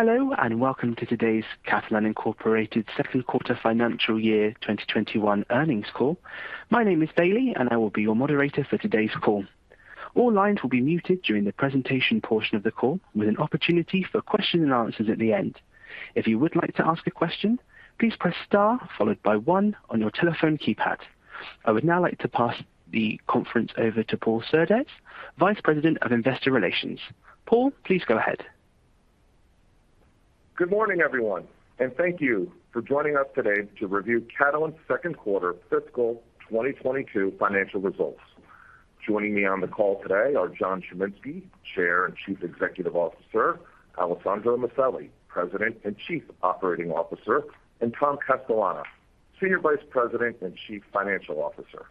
Hello, and welcome to today's Catalent, Inc. second quarter financial year 2021 earnings call. My name is Bailey, and I will be your moderator for today's call. All lines will be muted during the presentation portion of the call with an opportunity for question and answers at the end. If you would like to ask a question, please press Star followed by One on your telephone keypad. I would now like to pass the conference over to Paul Surdez, Vice President of Investor Relations. Paul, please go ahead. Good morning, everyone, and thank you for joining us today to review Catalent's second quarter fiscal 2022 financial results. Joining me on the call today are John Chiminski, Chair and Chief Executive Officer, Alessandro Maselli, President and Chief Operating Officer, and Tom Castellano, Senior Vice President and Chief Financial Officer.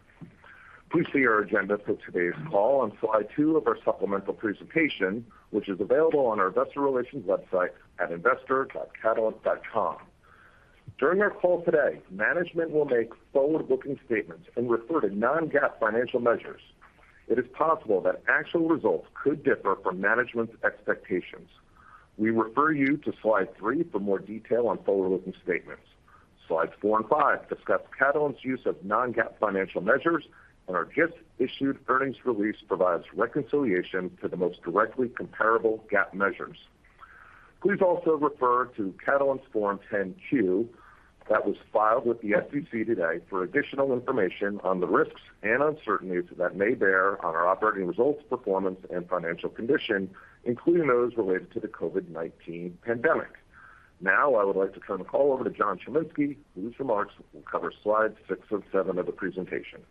Please see our agenda for today's call on slide two of our supplemental presentation, which is available on our investor relations website at investor.catalent.com. During our call today, management will make forward-looking statements and refer to non-GAAP financial measures. It is possible that actual results could differ from management's expectations. We refer you to slide three for more detail on forward-looking statements. Slides four and five discuss Catalent's use of non-GAAP financial measures, and our just-issued earnings release provides reconciliation to the most directly comparable GAAP measures. Please also refer to Catalent's Form 10-Q that was filed with the SEC today for additional information on the risks and uncertainties that may bear on our operating results, performance, and financial condition, including those related to the COVID-19 pandemic. Now, I would like to turn the call over to John Chiminski, whose remarks will cover slides six and seven of the presentation.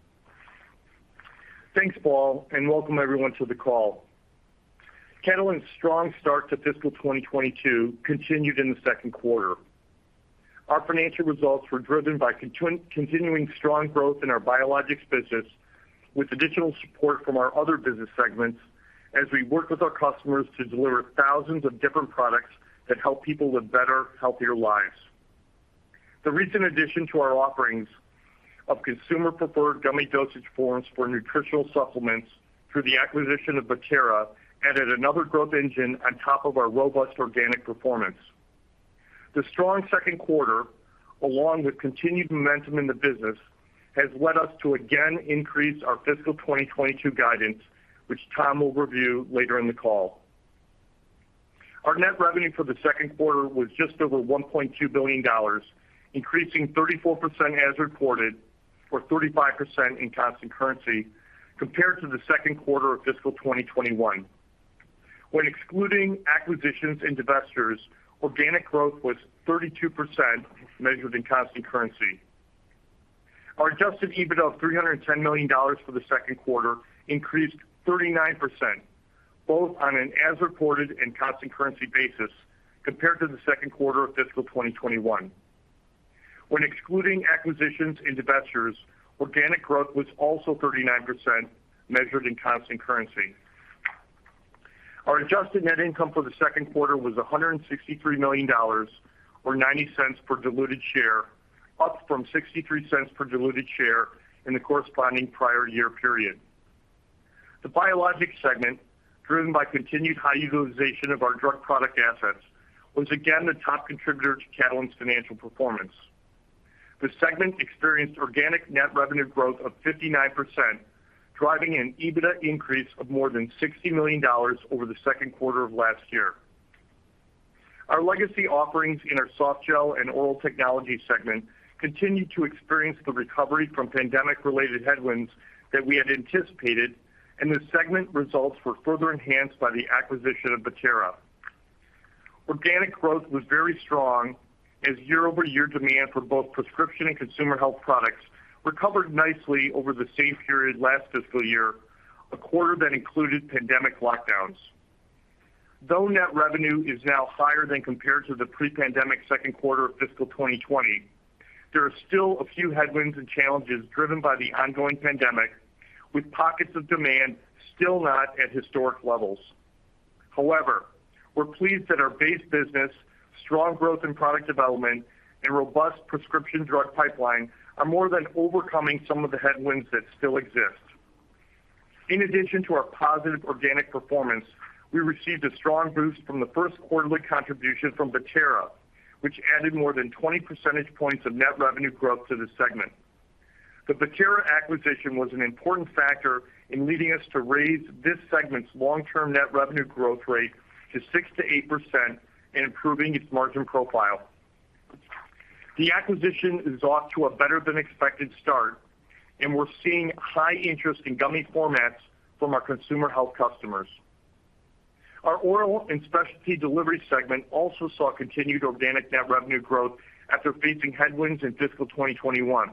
Thanks, Paul, and welcome everyone to the call. Catalent's strong start to fiscal 2022 continued in the second quarter. Our financial results were driven by continuing strong growth in our biologics business with additional support from our other business segments as we work with our customers to deliver thousands of different products that help people live better, healthier lives. The recent addition to our offerings of consumer-preferred gummy dosage forms for nutritional supplements through the acquisition of Bettera added another growth engine on top of our robust organic performance. The strong second quarter, along with continued momentum in the business, has led us to again increase our fiscal 2022 guidance, which Tom will review later in the call. Our net revenue for the second quarter was just over $1.2 billion, increasing 34% as reported or 35% in constant currency compared to the second quarter of fiscal 2021. When excluding acquisitions and divestitures, organic growth was 32% measured in constant currency. Our adjusted EBIT of $310 million for the second quarter increased 39%, both on an as-reported and constant currency basis compared to the second quarter of fiscal 2021. When excluding acquisitions and divestitures, organic growth was also 39% measured in constant currency. Our adjusted net income for the second quarter was $163 million or $0.90 per diluted share, up from $0.63 per diluted share in the corresponding prior year period. The biologics segment, driven by continued high utilization of our drug product assets, was again the top contributor to Catalent's financial performance. The segment experienced organic net revenue growth of 59%, driving an EBITDA increase of more than $60 million over the second quarter of last year. Our legacy offerings in our Softgel and Oral Technologies segment continued to experience the recovery from pandemic-related headwinds that we had anticipated, and the segment results were further enhanced by the acquisition of Bettera. Organic growth was very strong as year-over-year demand for both prescription and consumer health products recovered nicely over the same period last fiscal year, a quarter that included pandemic lockdowns. Though net revenue is now higher than compared to the pre-pandemic second quarter of fiscal 2020, there are still a few headwinds and challenges driven by the ongoing pandemic, with pockets of demand still not at historic levels. However, we're pleased that our base business, strong growth in product development, and robust prescription drug pipeline are more than overcoming some of the headwinds that still exist. In addition to our positive organic performance, we received a strong boost from the first quarterly contribution from Bettera, which added more than 20 percentage points of net revenue growth to the segment. The Bettera acquisition was an important factor in leading us to raise this segment's long-term net revenue growth rate to 6%-8% and improving its margin profile. The acquisition is off to a better-than-expected start, and we're seeing high interest in gummy formats from our consumer health customers. Our Oral and Specialty Delivery segment also saw continued organic net revenue growth after facing headwinds in fiscal 2021.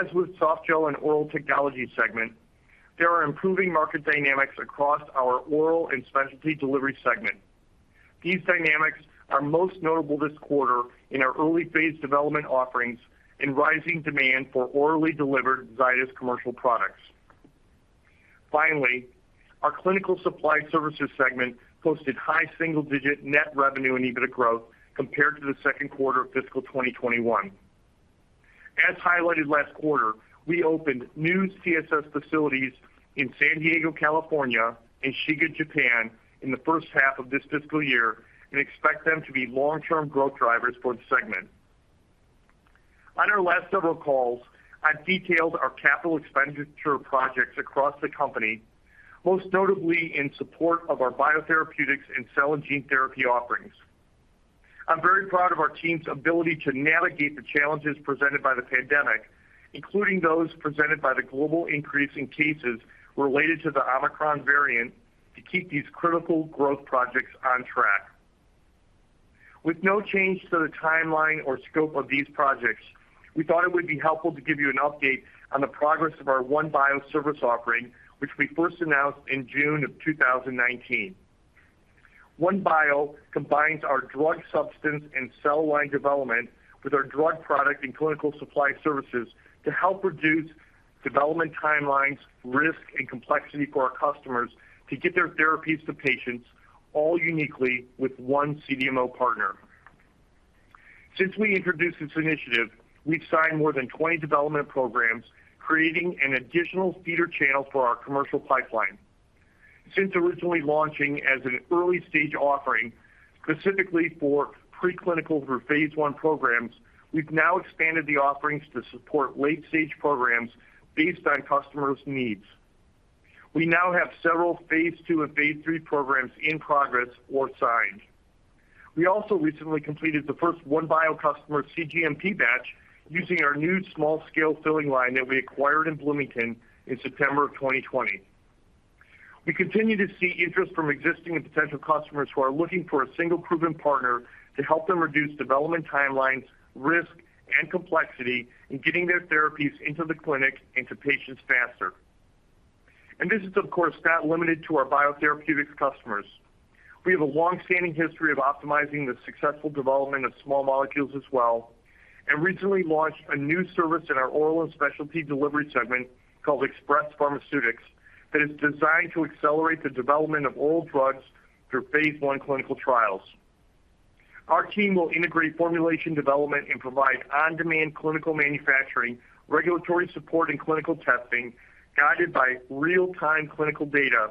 As with Softgel and Oral Technologies segment, there are improving market dynamics across our Oral and Specialty Delivery segment. These dynamics are most notable this quarter in our early phase development offerings and rising demand for orally delivered Zydis commercial products. Finally, our Clinical Supply Services segment posted high single-digit net revenue and EBITDA growth compared to the second quarter of fiscal 2021. As highlighted last quarter, we opened new CSS facilities in San Diego, California and Shiga, Japan in the first half of this fiscal year and expect them to be long-term growth drivers for the segment. On our last several calls, I've detailed our capital expenditure projects across the company, most notably in support of our biotherapeutics and cell and gene therapy offerings. I'm very proud of our team's ability to navigate the challenges presented by the pandemic, including those presented by the global increase in cases related to the Omicron variant, to keep these critical growth projects on track. With no change to the timeline or scope of these projects, we thought it would be helpful to give you an update on the progress of our OneBio service offering, which we first announced in June 2019. OneBio combines our drug substance and cell line development with our drug product and clinical supply services to help reduce development timelines, risk, and complexity for our customers to get their therapies to patients all uniquely with one CDMO partner. Since we introduced this initiative, we've signed more than 20 development programs, creating an additional feeder channel for our commercial pipeline. Since originally launching as an early-stage offering specifically for pre-clinical through phase I programs, we've now expanded the offerings to support late-stage programs based on customers' needs. We now have several phase II and phase III programs in progress or signed. We also recently completed the first OneBio customer cGMP batch using our new small-scale filling line that we acquired in Bloomington in September 2020. We continue to see interest from existing and potential customers who are looking for a single proven partner to help them reduce development timelines, risk, and complexity in getting their therapies into the clinic and to patients faster. This is of course not limited to our biotherapeutics customers. We have a long-standing history of optimizing the successful development of small molecules as well and recently launched a new service in our Oral and Specialty Delivery segment called Xpress Pharmaceutics that is designed to accelerate the development of oral drugs through phase I clinical trials. Our team will integrate formulation development and provide on-demand clinical manufacturing, regulatory support, and clinical testing guided by real-time clinical data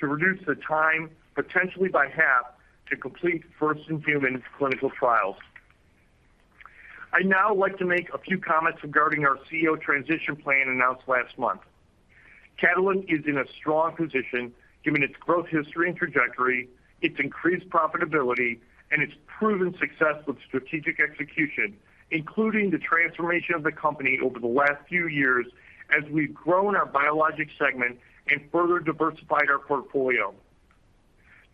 to reduce the time potentially by half to complete first-in-human clinical trials. I'd now like to make a few comments regarding our CEO transition plan announced last month. Catalent is in a strong position given its growth history and trajectory, its increased profitability, and its proven success with strategic execution, including the transformation of the company over the last few years as we've grown our biologics segment and further diversified our portfolio.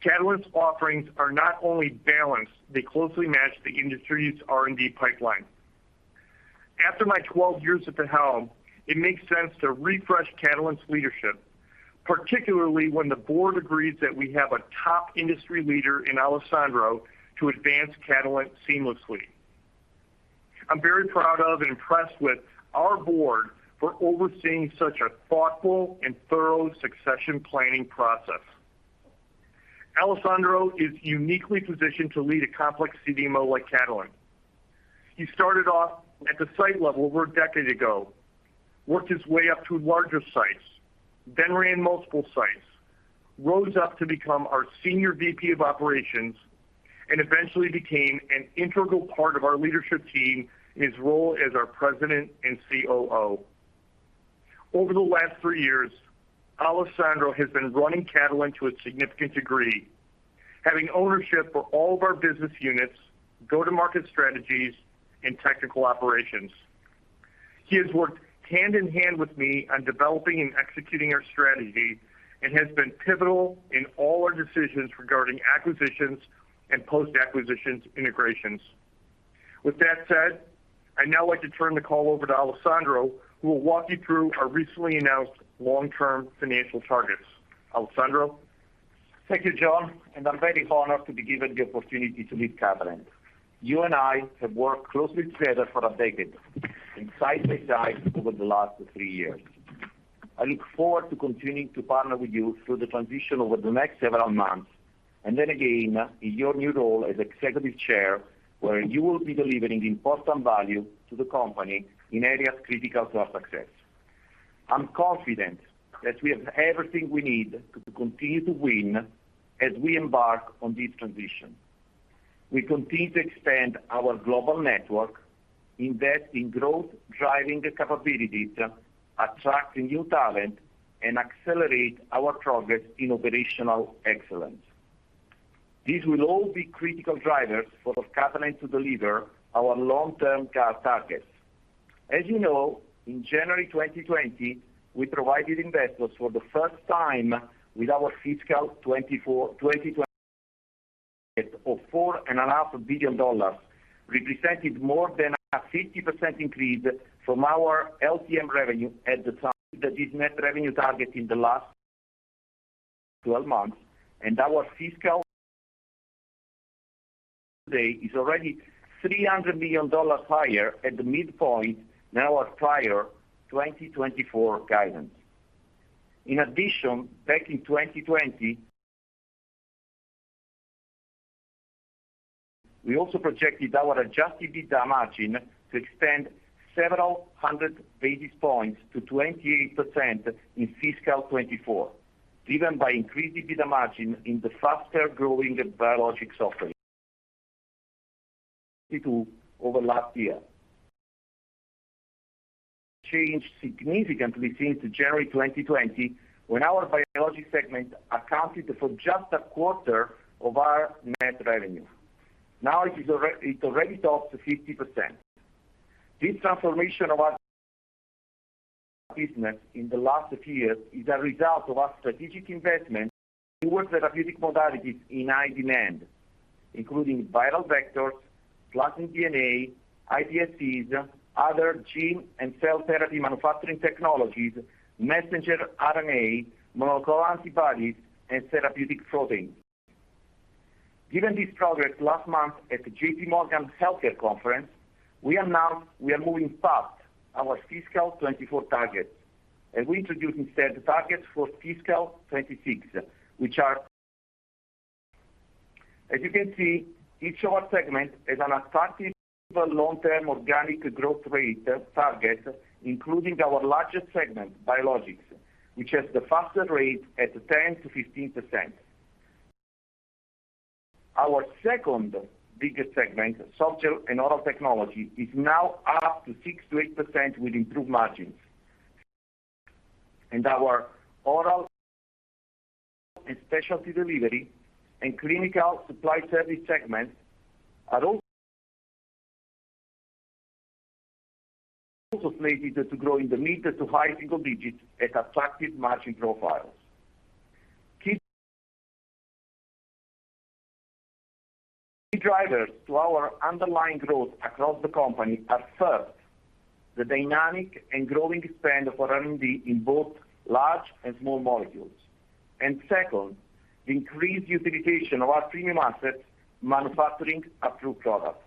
Catalent's offerings are not only balanced, they closely match the industry's R&D pipeline. After my 12 years at the helm, it makes sense to refresh Catalent's leadership, particularly when the board agrees that we have a top industry leader in Alessandro to advance Catalent seamlessly. I'm very proud of and impressed with our board for overseeing such a thoughtful and thorough succession planning process. Alessandro is uniquely positioned to lead a complex CDMO like Catalent. He started off at the site level over a decade ago, worked his way up to larger sites, then ran multiple sites, rose up to become our Senior VP of Operations, and eventually became an integral part of our leadership team in his role as our President and COO. Over the last three years, Alessandro has been running Catalent to a significant degree, having ownership for all of our business units, go-to-market strategies, and technical operations. He has worked hand in hand with me on developing and executing our strategy and has been pivotal in all our decisions regarding acquisitions and post-acquisitions integrations. With that said, I'd now like to turn the call over to Alessandro, who will walk you through our recently announced long-term financial targets. Alessandro? Thank you, John, and I'm very honored to be given the opportunity to lead Catalent. You and I have worked closely together for a decade and side by side over the last three years. I look forward to continuing to partner with you through the transition over the next several months, and then again in your new role as Executive Chair, where you will be delivering important value to the company in areas critical to our success. I'm confident that we have everything we need to continue to win as we embark on this transition. We continue to expand our global network, invest in growth-driving capabilities, attracting new talent, and accelerate our progress in operational excellence. These will all be critical drivers for Catalent to deliver our long-term targets. As you know, in January 2020, we provided investors for the first time with our fiscal 2024 target of $4.5 billion, representing more than a 50% increase from our LTM revenue at the time. Our LTM net revenue is already $300 million higher at the midpoint than our prior 2024 guidance. In addition, back in 2020 we also projected our Adjusted EBITDA margin to expand several hundred basis points to 28% in fiscal 2024, driven by increased EBITDA margin in the faster-growing biologics offering. Over the last year changed significantly since January 2020, when our biologics segment accounted for just a quarter of our net revenue. Now it already tops 50%. This transformation of our business in the last few years is a result of our strategic investment towards therapeutic modalities in high demand, including viral vectors, plasmid DNA, iPSCs, other gene and cell therapy manufacturing technologies, messenger RNA, monoclonal antibodies, and therapeutic proteins. Given this progress last month at the J.P. Morgan Healthcare Conference, we announced we are moving past our fiscal 2024 targets, and we introduced instead targets for fiscal 2026, which are, as you can see, each of our segments has an attractive long-term organic growth rate target, including our largest segment, Biologics, which has the fastest rate at 10%-15%. Our second biggest segment, Softgel and Oral Technologies, is now up to 6%-8% with improved margins. Our Oral and Specialty Delivery and Clinical Supply Services segments are also slated to grow in the mid- to high-single digits at attractive margin profiles. Key drivers to our underlying growth across the company are, first, the dynamic and growing spend for R&D in both large and small molecules, and second, the increased utilization of our premium assets in manufacturing approved products.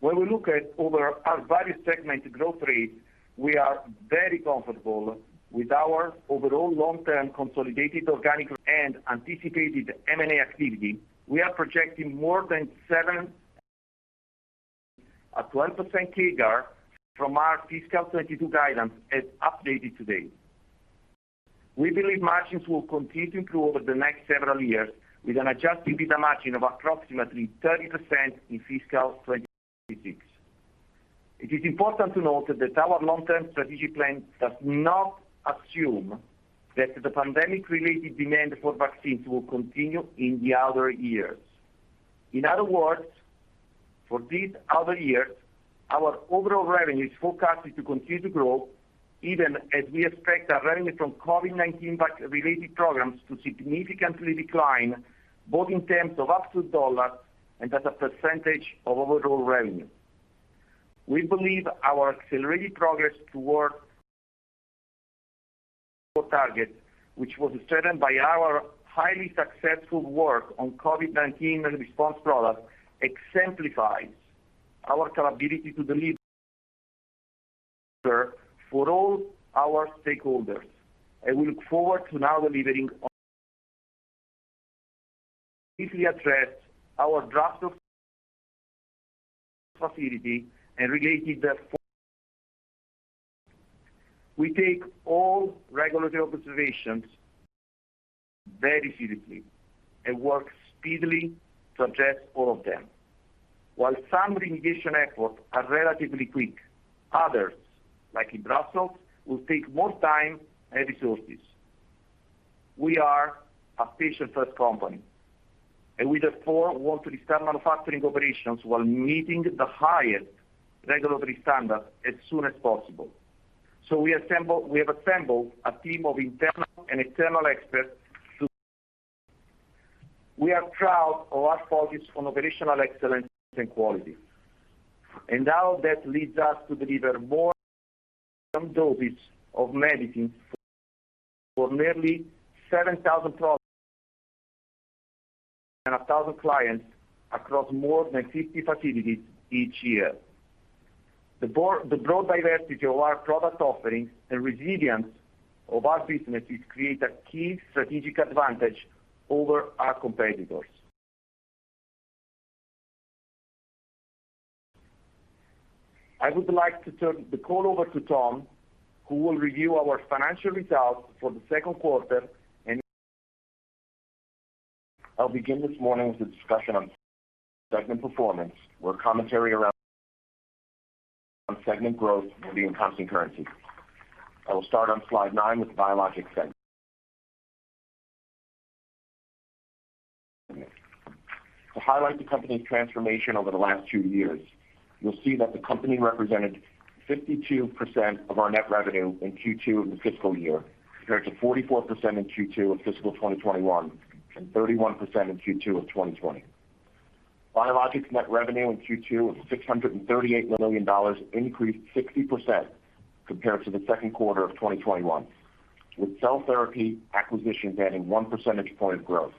When we look over our various segment growth rates, we are very comfortable with our overall long-term consolidated organic and anticipated M&A activity. We are projecting more than 7%-12% CAGR from our fiscal 2022 guidance as updated today. We believe margins will continue to improve over the next several years with an Adjusted EBITDA margin of approximately 30% in fiscal 2026. It is important to note that our long-term strategic plan does not assume that the pandemic-related demand for vaccines will continue in the other years. In other words, for these other years, our overall revenue is forecasted to continue to grow even as we expect our revenue from COVID-19 vaccine-related programs to significantly decline, both in terms of absolute dollars and as a percentage of overall revenue. We believe our accelerated progress toward target, which was driven by our highly successful work on COVID-19 response products, exemplifies our capability to deliver for all our stakeholders, and we look forward to now delivering on. We briefly address our Brussels facility and related. We take all regulatory observations very seriously and work speedily to address all of them. While some remediation efforts are relatively quick, others, like in Brussels, will take more time and resources. We are a patient-first company, and we therefore want to restart manufacturing operations while meeting the highest regulatory standards as soon as possible. We have assembled a team of internal and external experts to. We are proud of our focus on operational excellence and quality, and all that leads us to deliver more than 1,000 doses of medicines for nearly 7,000 products and 1,000 clients across more than 50 facilities each year. The broad diversity of our product offerings and resilience of our businesses create a key strategic advantage over our competitors. I would like to turn the call over to Tom, who will review our financial results for the second quarter and I'll begin this morning with a discussion on segment performance, where commentary around segment growth will be in constant currency. I will start on slide nine with the Biologics segment. To highlight the company's transformation over the last two years, you'll see that Biologics represented 52% of our net revenue in Q2 of the fiscal year, compared to 44% in Q2 of fiscal 2021 and 31% in Q2 of 2020. Biologics net revenue in Q2 of $638 million increased 60% compared to the second quarter of 2021, with cell therapy acquisitions adding 1 percentage point of growth.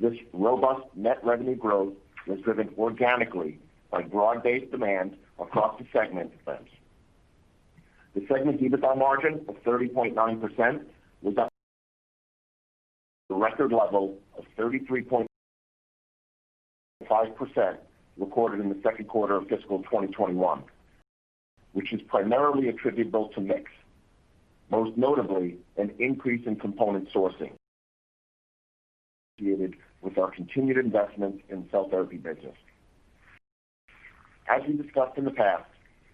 This robust net revenue growth was driven organically by broad-based demand across the segment's. The segment EBITDA margin of 30.9% was down from the record level of 33.5% recorded in the second quarter of fiscal 2021, which is primarily attributable to mix, most notably an increase in component sourcing associated with our continued investment in cell therapy business. As we discussed in the past,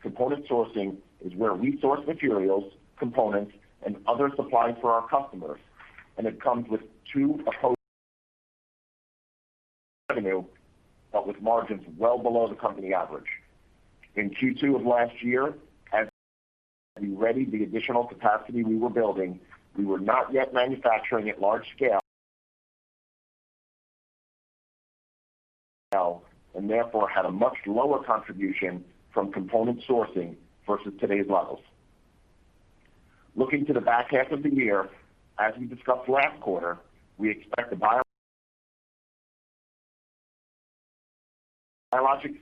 component sourcing is where we source materials, components, and other supplies for our customers, and it comes with revenue, but with margins well below the company average. In Q2 of last year, as we readied the additional capacity we were building, we were not yet manufacturing at large scale and therefore had a much lower contribution from component sourcing versus today's levels. Looking to the back half of the year, as we discussed last quarter, we expect the Biologics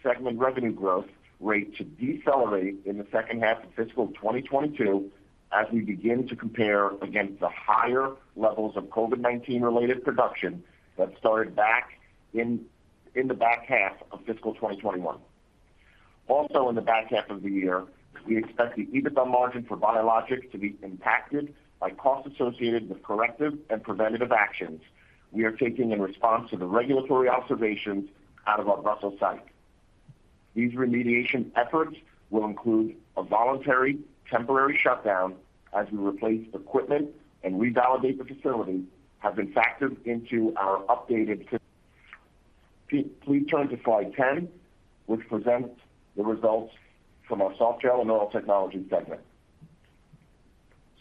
segment revenue growth rate to decelerate in the second half of fiscal 2022 as we begin to compare against the higher levels of COVID-19 related production that started back in the back half of fiscal 2021. Also in the back half of the year, we expect the EBITDA margin for biologics to be impacted by costs associated with corrective and preventative actions we are taking in response to the regulatory observations out of our Brussels site. These remediation efforts will include a voluntary temporary shutdown as we replace equipment and revalidate the facility have been factored into our updated. Please turn to slide 10, which presents the results from our Softgel and Oral Technologies segment.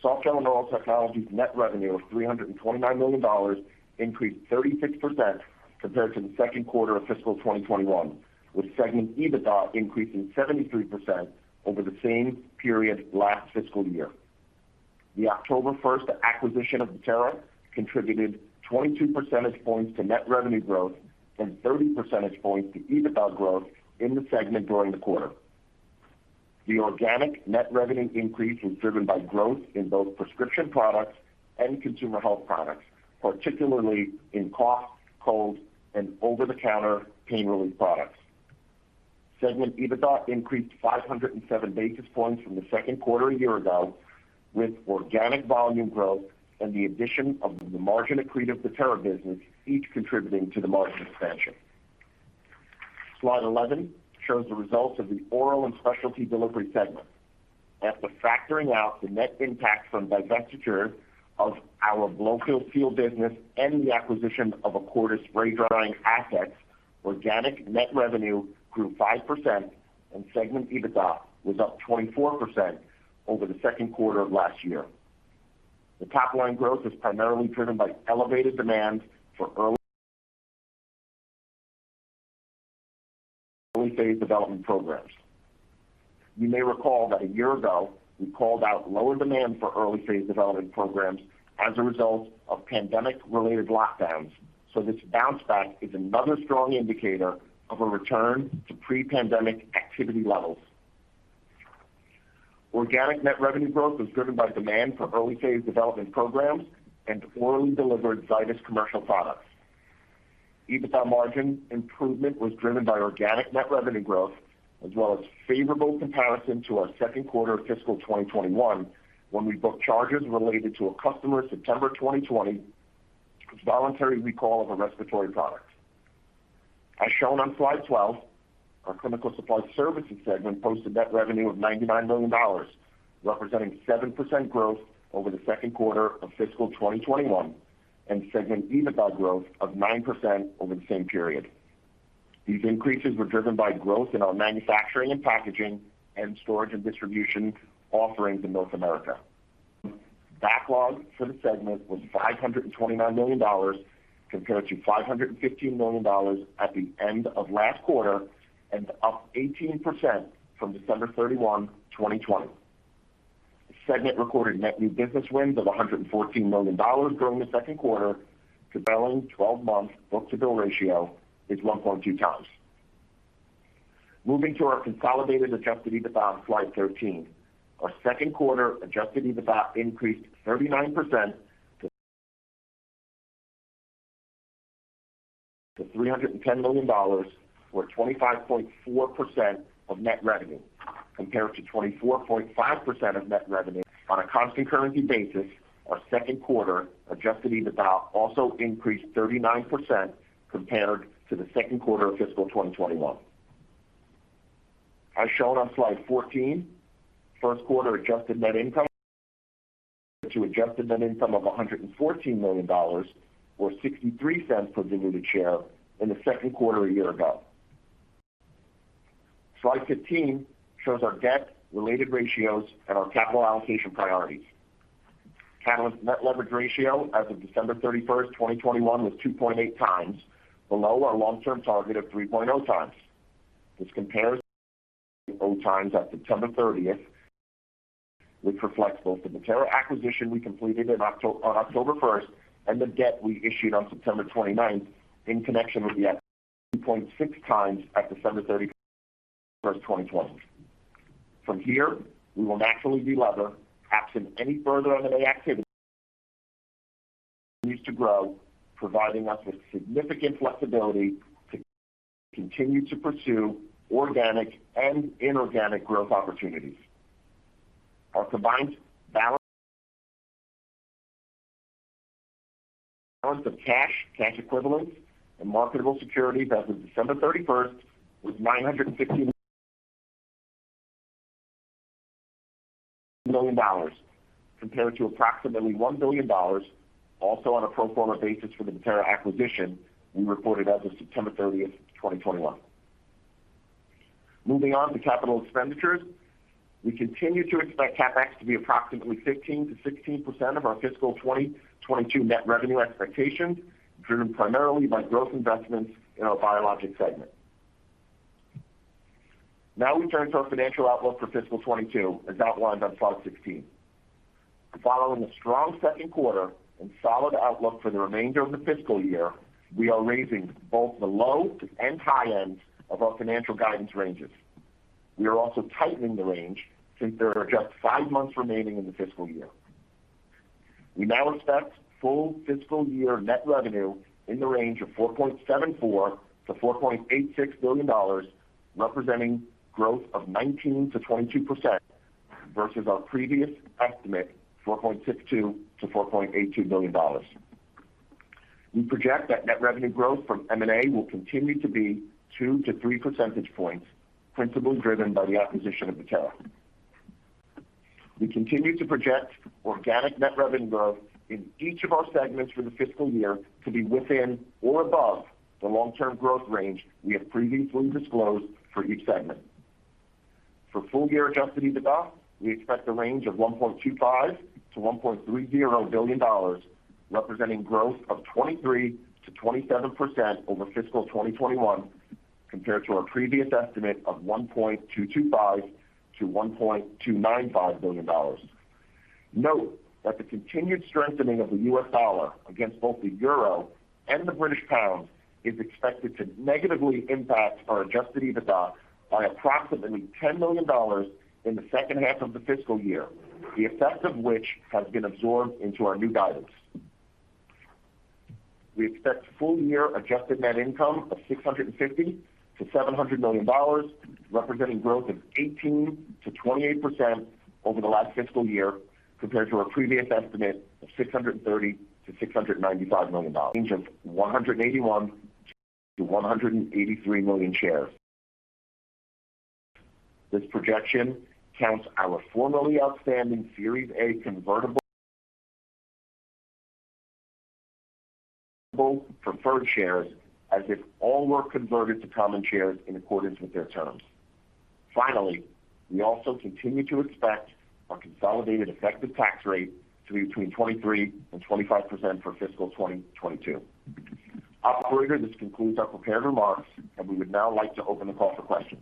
Softgel and Oral Technologies net revenue of $329 million increased 36% compared to the second quarter of fiscal 2021, with segment EBITDA increasing 73% over the same period last fiscal year. The October 1 acquisition of Bettera contributed 22 percentage points to net revenue growth and 30 percentage points to EBITDA growth in the segment during the quarter. The organic net revenue increase was driven by growth in both prescription products and consumer health products, particularly in cough, cold, and over-the-counter pain relief products. Segment EBITDA increased 507 basis points from the second quarter a year ago, with organic volume growth and the addition of the margin accretive Bettera business, each contributing to the margin expansion. Slide 11 shows the results of the Oral and Specialty Delivery segment. After factoring out the net impact from divestiture of our Blow-Fill-Seal business and the acquisition of Acorda spray drying assets, organic net revenue grew 5%, and segment EBITDA was up 24% over the second quarter of last year. The top line growth was primarily driven by elevated demand for early-phase development programs. You may recall that a year ago, we called out lower demand for early-phase development programs as a result of pandemic-related lockdowns. This bounce back is another strong indicator of a return to pre-pandemic activity levels. Organic net revenue growth was driven by demand for early-phase development programs and orally delivered Zydis commercial products. EBITDA margin improvement was driven by organic net revenue growth as well as favorable comparison to our second quarter of fiscal 2021, when we booked charges related to a customer September 2020 voluntary recall of a respiratory product. As shown on slide 12, our Clinical Supply Services segment posted net revenue of $99 million, representing 7% growth over the second quarter of fiscal 2021, and segment EBITDA growth of 9% over the same period. These increases were driven by growth in our manufacturing and packaging and storage and distribution offerings in North America. Backlog for the segment was $529 million compared to $515 million at the end of last quarter and up 18% from December 31, 2020. The segment recorded net new business wins of $114 million during the second quarter. Trailing twelve-month book-to-bill ratio is 1.2x. Moving to our consolidated Adjusted EBITDA on slide 13. Our second quarter adjusted EBITDA increased 39% to $310 million, or 25.4% of net revenue, compared to 24.5% of net revenue. On a constant currency basis, our second quarter Adjusted EBITDA also increased 39% compared to the second quarter of fiscal 2021. As shown on slide 14, second quarter adjusted net income increased to $114 million or $0.63 per diluted share, compared to the second quarter a year ago. Slide 15 shows our debt related ratios and our capital allocation priorities. Catalent's net leverage ratio as of December 31, 2021 was 2.8x below our long-term target of 3.0x. This compares to 3.0x at September 30, which reflects both the Bettera acquisition we completed on October 1 and the debt we issued on September 29 in connection with the acquisition. 2.6x at December 31, 2020. From here, we will naturally delever absent any further M&A activity use to grow, providing us with significant flexibility to continue to pursue organic and inorganic growth opportunities. Our combined balance of cash equivalents, and marketable securities as of December 31 was $960 million compared to approximately $1 billion also on a pro forma basis for the Bettera acquisition we reported as of September 30, 2021. Moving on to capital expenditures. We continue to expect CapEx to be approximately 15%-16% of our fiscal 2022 net revenue expectations, driven primarily by growth investments in our Biologics segment. Now we turn to our financial outlook for fiscal 2022 as outlined on slide 16. Following a strong second quarter and solid outlook for the remainder of the fiscal year, we are raising both the low and high ends of our financial guidance ranges. We are also tightening the range since there are just five months remaining in the fiscal year. We now expect full fiscal year net revenue in the range of $4.74 billion-$4.86 billion, representing growth of 19%-22% versus our previous estimate, $4.62 billion-$4.82 billion. We project that net revenue growth from M&A will continue to be two to three percentage points, principally driven by the acquisition of Bettera. We continue to project organic net revenue growth in each of our segments for the fiscal year to be within or above the long-term growth range we have previously disclosed for each segment. For full year Adjusted EBITDA, we expect a range of $1.25 billion-$1.30 billion, representing growth of 23%-27% over fiscal 2021 compared to our previous estimate of $1.225 billion-$1.295 billion. Note that the continued strengthening of the U.S. dollar against both the euro and the British pound is expected to negatively impact our Adjusted EBITDA by approximately $10 million in the second half of the fiscal year, the effect of which has been absorbed into our new guidance. We expect full year adjusted net income of $650 million-$700 million, representing growth of 18%-28% over the last fiscal year compared to our previous estimate of $630 million-$695 million. Range of 181-183 million shares. This projection counts our formerly outstanding series A convertible preferred shares as if all were converted to common shares in accordance with their terms. Finally, we also continue to expect our consolidated effective tax rate to be between 23%-25% for fiscal 2022. Operator, this concludes our prepared remarks, and we would now like to open the call for questions.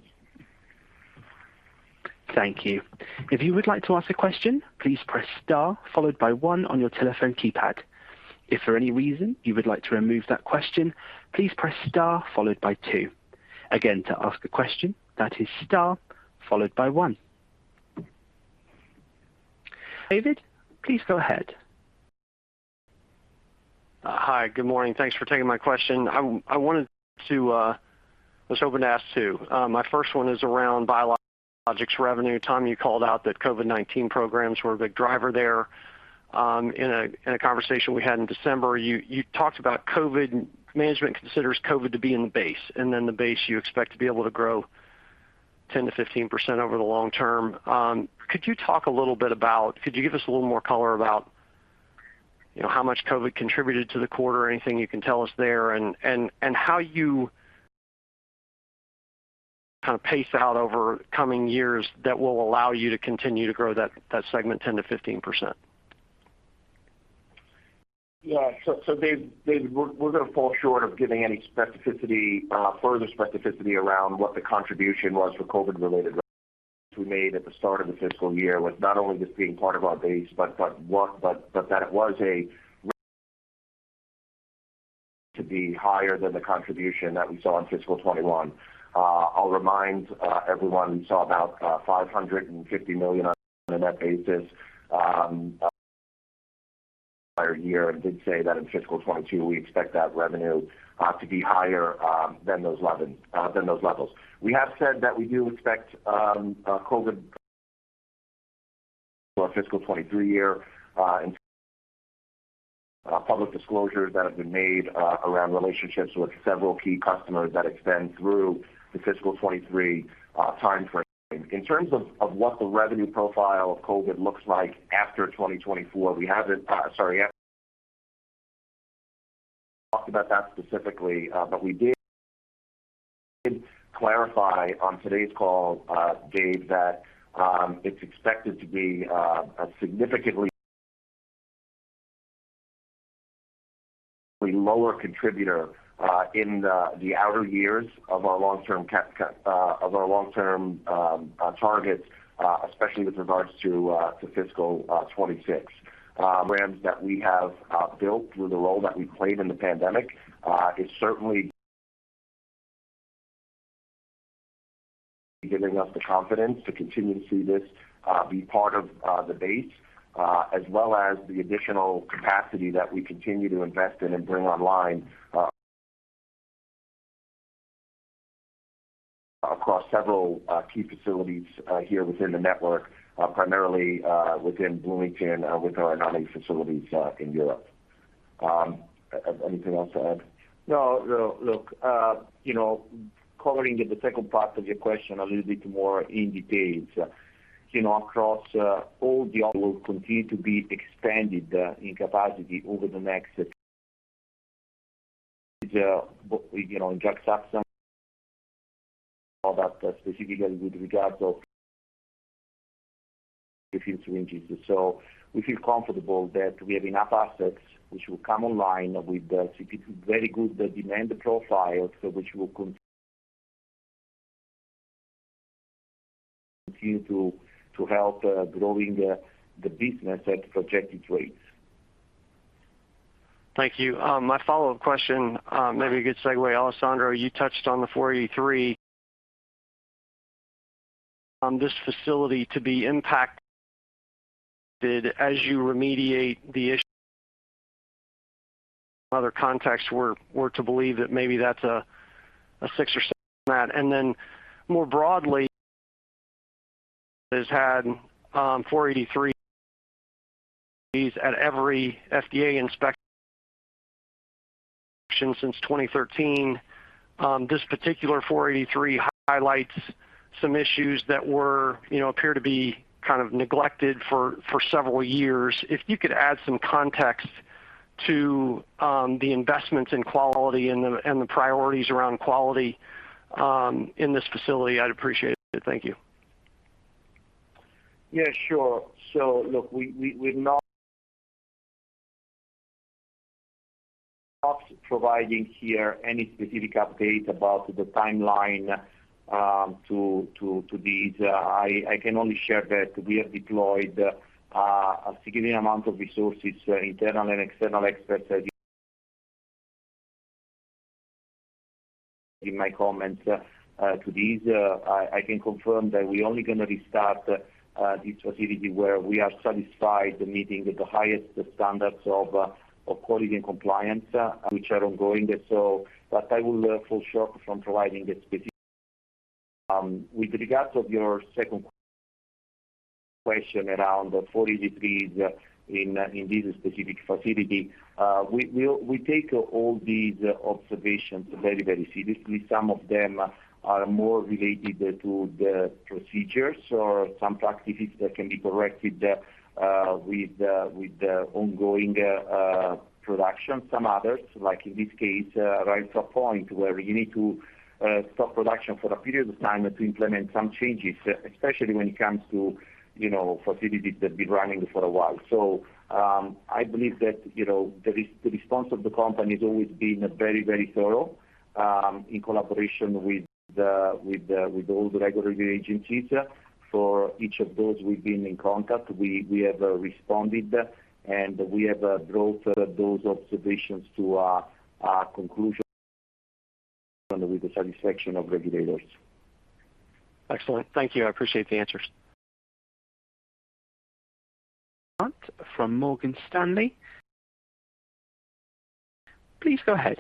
David, please go ahead. Hi. Good morning. Thanks for taking my question. I was hoping to ask two. My first one is around biologics revenue. Tom, you called out that COVID-19 programs were a big driver there. In a conversation we had in December, you talked about COVID. Management considers COVID to be in the base, and then the base you expect to be able to grow 10%-15% over the long term. Could you give us a little more color about, you know, how much COVID contributed to the quarter? Anything you can tell us there and how you kind of pace out over coming years that will allow you to continue to grow that segment 10%-15%? Yeah. Dave, we're going to fall short of giving any specificity, further specificity around what the contribution was for COVID-related revenue. We made at the start of the fiscal year was not only this being part of our base, but that it was to be higher than the contribution that we saw in fiscal 2021. I'll remind everyone we saw about $550 million on a net basis, entire year, and did say that in fiscal 2022 we expect that revenue to be higher than those levels. We have said that we do expect COVID through our fiscal 2023 year, in public disclosures that have been made, around relationships with several key customers that extend through the fiscal 2023 timeframe. In terms of what the revenue profile of COVID looks like after 2024, we haven't talked about that specifically. We did clarify on today's call, Dave, that it's expected to be a significantly lower contributor in the outer years of our long-term targets, especially with regards to fiscal 2026. Brands that we have built through the role that we played in the pandemic is certainly giving us the confidence to continue to see this be part of the base as well as the additional capacity that we continue to invest in and bring online. Across several key facilities here within the network, primarily within Bloomington with our non-U.S. facilities in Europe. Anything else to add? No. Look, you know, covering the second part of your question a little bit more in detail. You know, across all, they will continue to be expanded in capacity over the next. That specifically with regards to, we feel comfortable that we have enough assets which will come online with the very good demand profile, so which will continue to help growing the business at projected rates. Thank you. My follow-up question, maybe a good segue. Alessandro, you touched on the Form 483. How this facility will be impacted as you remediate the issues. Others were led to believe that maybe that's a six or seven on that. Then more broadly, this facility has had Form 483s at every FDA inspection since 2013. This particular Form 483 highlights some issues that, you know, appear to be kind of neglected for several years. If you could add some context to the investments in quality and the priorities around quality in this facility, I'd appreciate it. Thank you. Yeah, sure. Look, we're not providing here any specific update about the timeline to these. I can only share that we have deployed a significant amount of resources, internal and external experts. In my comments to these, I can confirm that we're only going to restart this facility where we are satisfied meeting the highest standards of quality and compliance, which are ongoing. I will fall short from providing a specific. With regard to your second question around Form 483s in this specific facility, we take all these observations very seriously. Some of them are more related to the procedures or some practices that can be corrected with the ongoing production. Some others, like in this case, rise to a point where you need to stop production for a period of time to implement some changes, especially when it comes to, you know, facilities that's been running for a while. I believe that, you know, the response of the company has always been very, very thorough, in collaboration with all the regulatory agencies. For each of those we've been in contact, we have responded, and we have brought those observations to a conclusion with the satisfaction of regulators. Excellent. Thank you. I appreciate the answers. From Morgan Stanley. Please go ahead.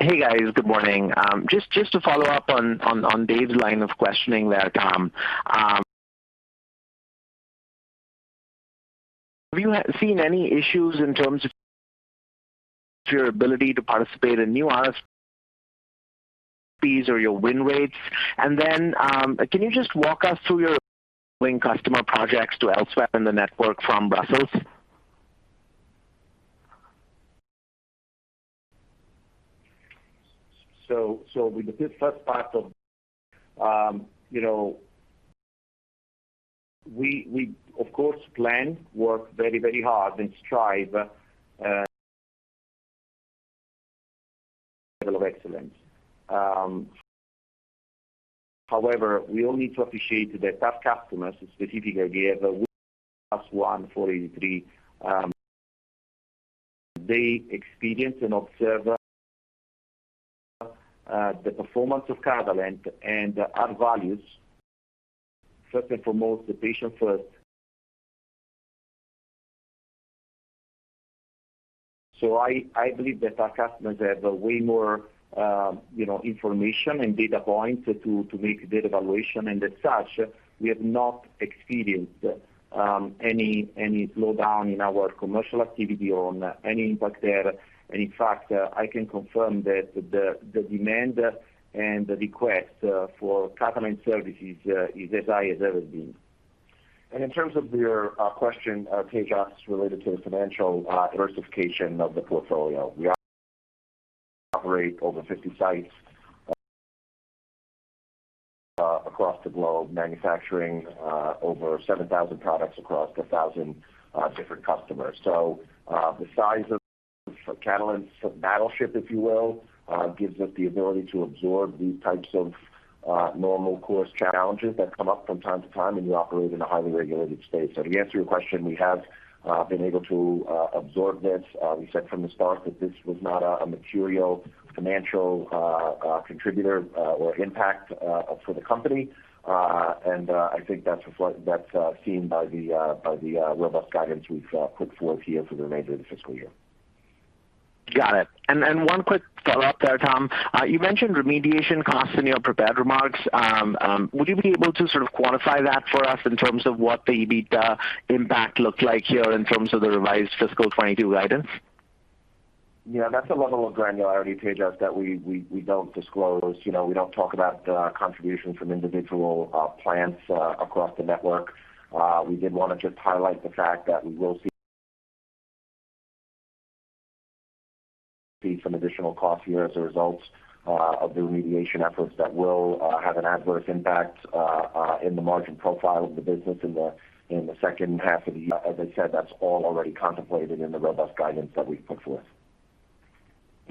Hey, guys. Good morning. Just to follow up on David's line of questioning there, Tom. Have you seen any issues in terms of your ability to participate in new RFPs or your win rates? Then, can you just walk us through your customer projects to elsewhere in the network from Brussels? With the first part of, we of course plan, work very hard and strive for a level of excellence. However, we all need to appreciate that our customers specifically have the experience. They experience and observe the performance of Catalent and our values, first and foremost, the patient first. I believe that our customers have way more information and data points to make their evaluation. As such, we have not experienced any slowdown in our commercial activity or any impact there. In fact, I can confirm that the demand and the request for Catalent services is as high as it has ever been. In terms of your question, Tejas, related to the financial diversification of the portfolio. We operate over 50 sites across the globe, manufacturing over 7,000 products across 1,000 different customers. The size of Catalent's battleship, if you will, gives us the ability to absorb these types of normal course challenges that come up from time to time, and you operate in a highly regulated state. To answer your question, we have been able to absorb this. We said from the start that this was not a material financial contributor or impact for the company. I think that's seen by the robust guidance we've put forth here for the remainder of the fiscal year. Got it. One quick follow-up there, Tom. You mentioned remediation costs in your prepared remarks. Would you be able to sort of quantify that for us in terms of what the EBITDA impact looked like here in terms of the revised fiscal 2022 guidance? Yeah, that's a level of granularity, Tejas, that we don't disclose. You know, we don't talk about contributions from individual plants across the network. We did want to just highlight the fact that we will see some additional costs here as a result of the remediation efforts that will have an adverse impact in the margin profile of the business in the second half of the year. As I said, that's all already contemplated in the robust guidance that we've put forth.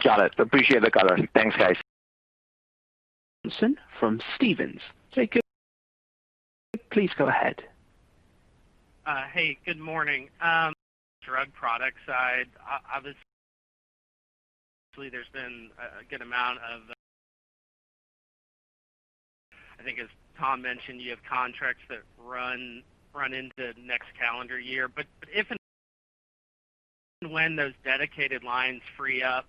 Got it. Appreciate the color. Thanks, guys. From Stephens. Please go ahead. Hey, good morning. On the drug product side, obviously there's been a good amount of, I think as Tom mentioned, you have contracts that run into next calendar year. If and when those dedicated lines free up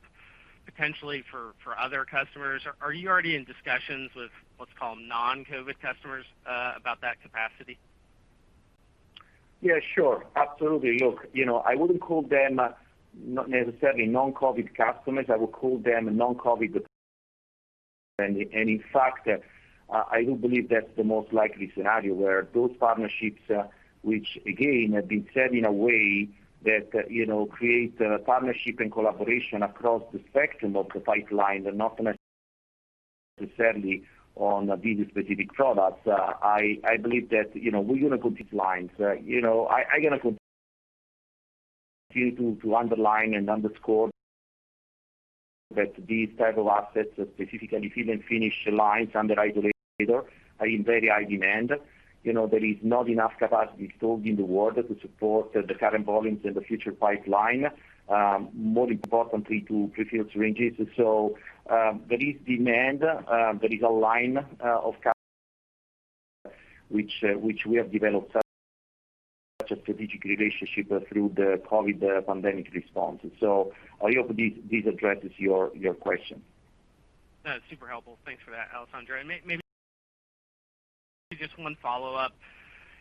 potentially for other customers, are you already in discussions with what's called non-COVID customers about that capacity? Yeah, sure. Absolutely. Look, you know, I wouldn't call them not necessarily non-COVID customers. I would call them non-COVID with. In fact, I do believe that's the most likely scenario where those partnerships, which again have been set in a way that, you know, create a partnership and collaboration across the spectrum of the pipeline and not necessarily on these specific products. I believe that, you know, we're gonna complete lines. You know, I'm gonna continue to underline and underscore that these type of assets, specifically fill-and-finish lines under isolation are in very high demand. You know, there is not enough capacity still in the world to support the current volumes in the future pipeline, more importantly to prefilled syringes. There is demand. There is a line of which we have developed such a strategic relationship through the COVID pandemic response. I hope this addresses your question. No, super helpful. Thanks for that, Alessandro. Maybe just one follow-up.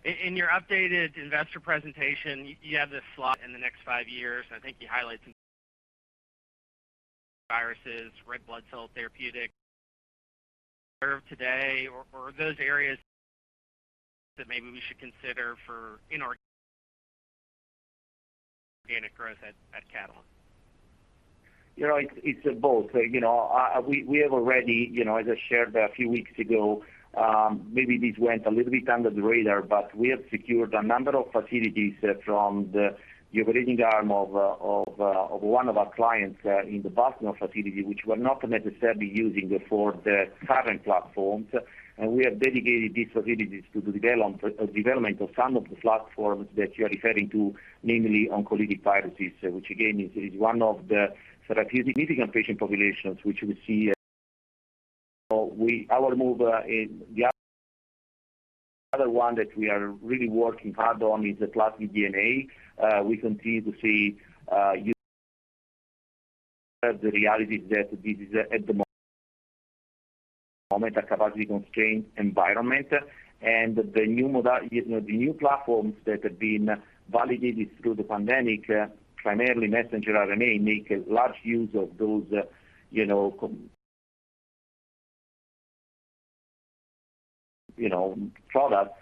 In your updated investor presentation, you have this slide in the next five years, and I think you highlight some viruses, red blood cell therapeutics serve today or those areas that maybe we should consider for inorganic growth at Catalent. You know, it's both. You know, we have already, you know, as I shared a few weeks ago, maybe this went a little bit under the radar, but we have secured a number of facilities from the operating arm of one of our clients in the Boston facility, which we're not necessarily using for the current platforms. We have dedicated these facilities to the development of some of the platforms that you're referring to, namely oncolytic viruses, which again, is one of the significant patient populations which we see. Our move in the other one that we are really working hard on is the plasmid DNA. We continue to see the reality is that this is at the moment, a capacity-constrained environment. The new platforms that have been validated through the pandemic, primarily messenger RNA, make a large use of those, you know, products.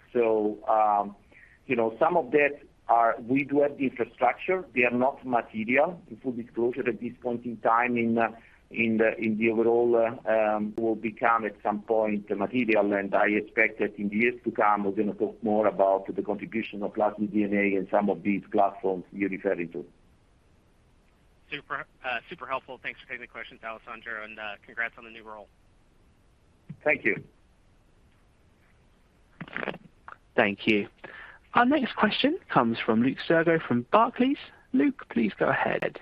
You know, some of that we do have the infrastructure. They are not material in full disclosure at this point in time. In the overall, they will become at some point material. I expect that in the years to come, we're gonna talk more about the contribution of plasmid DNA and some of these platforms you're referring to. Super helpful. Thanks for taking the questions, Alessandro, and congrats on the new role. Thank you. Thank you. Our next question comes from Luke Sergott from Barclays. Luke, please go ahead.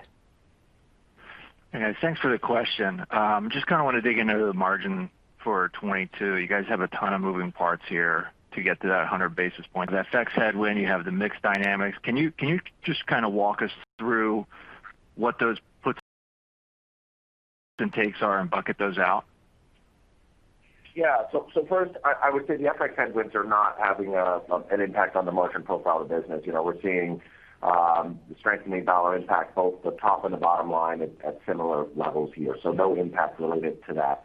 Okay. Thanks for the question. Just kind of wanna dig into the margin for 2022. You guys have a ton of moving parts here to get to that 100 basis points. The FX headwind, you have the mix dynamics. Can you just kind of walk us through what those puts and takes are and bucket those out? Yeah. First, I would say the FX headwinds are not having an impact on the margin profile of the business. You know, we're seeing the strengthening dollar impact both the top and the bottom line at similar levels here. No impact related to that.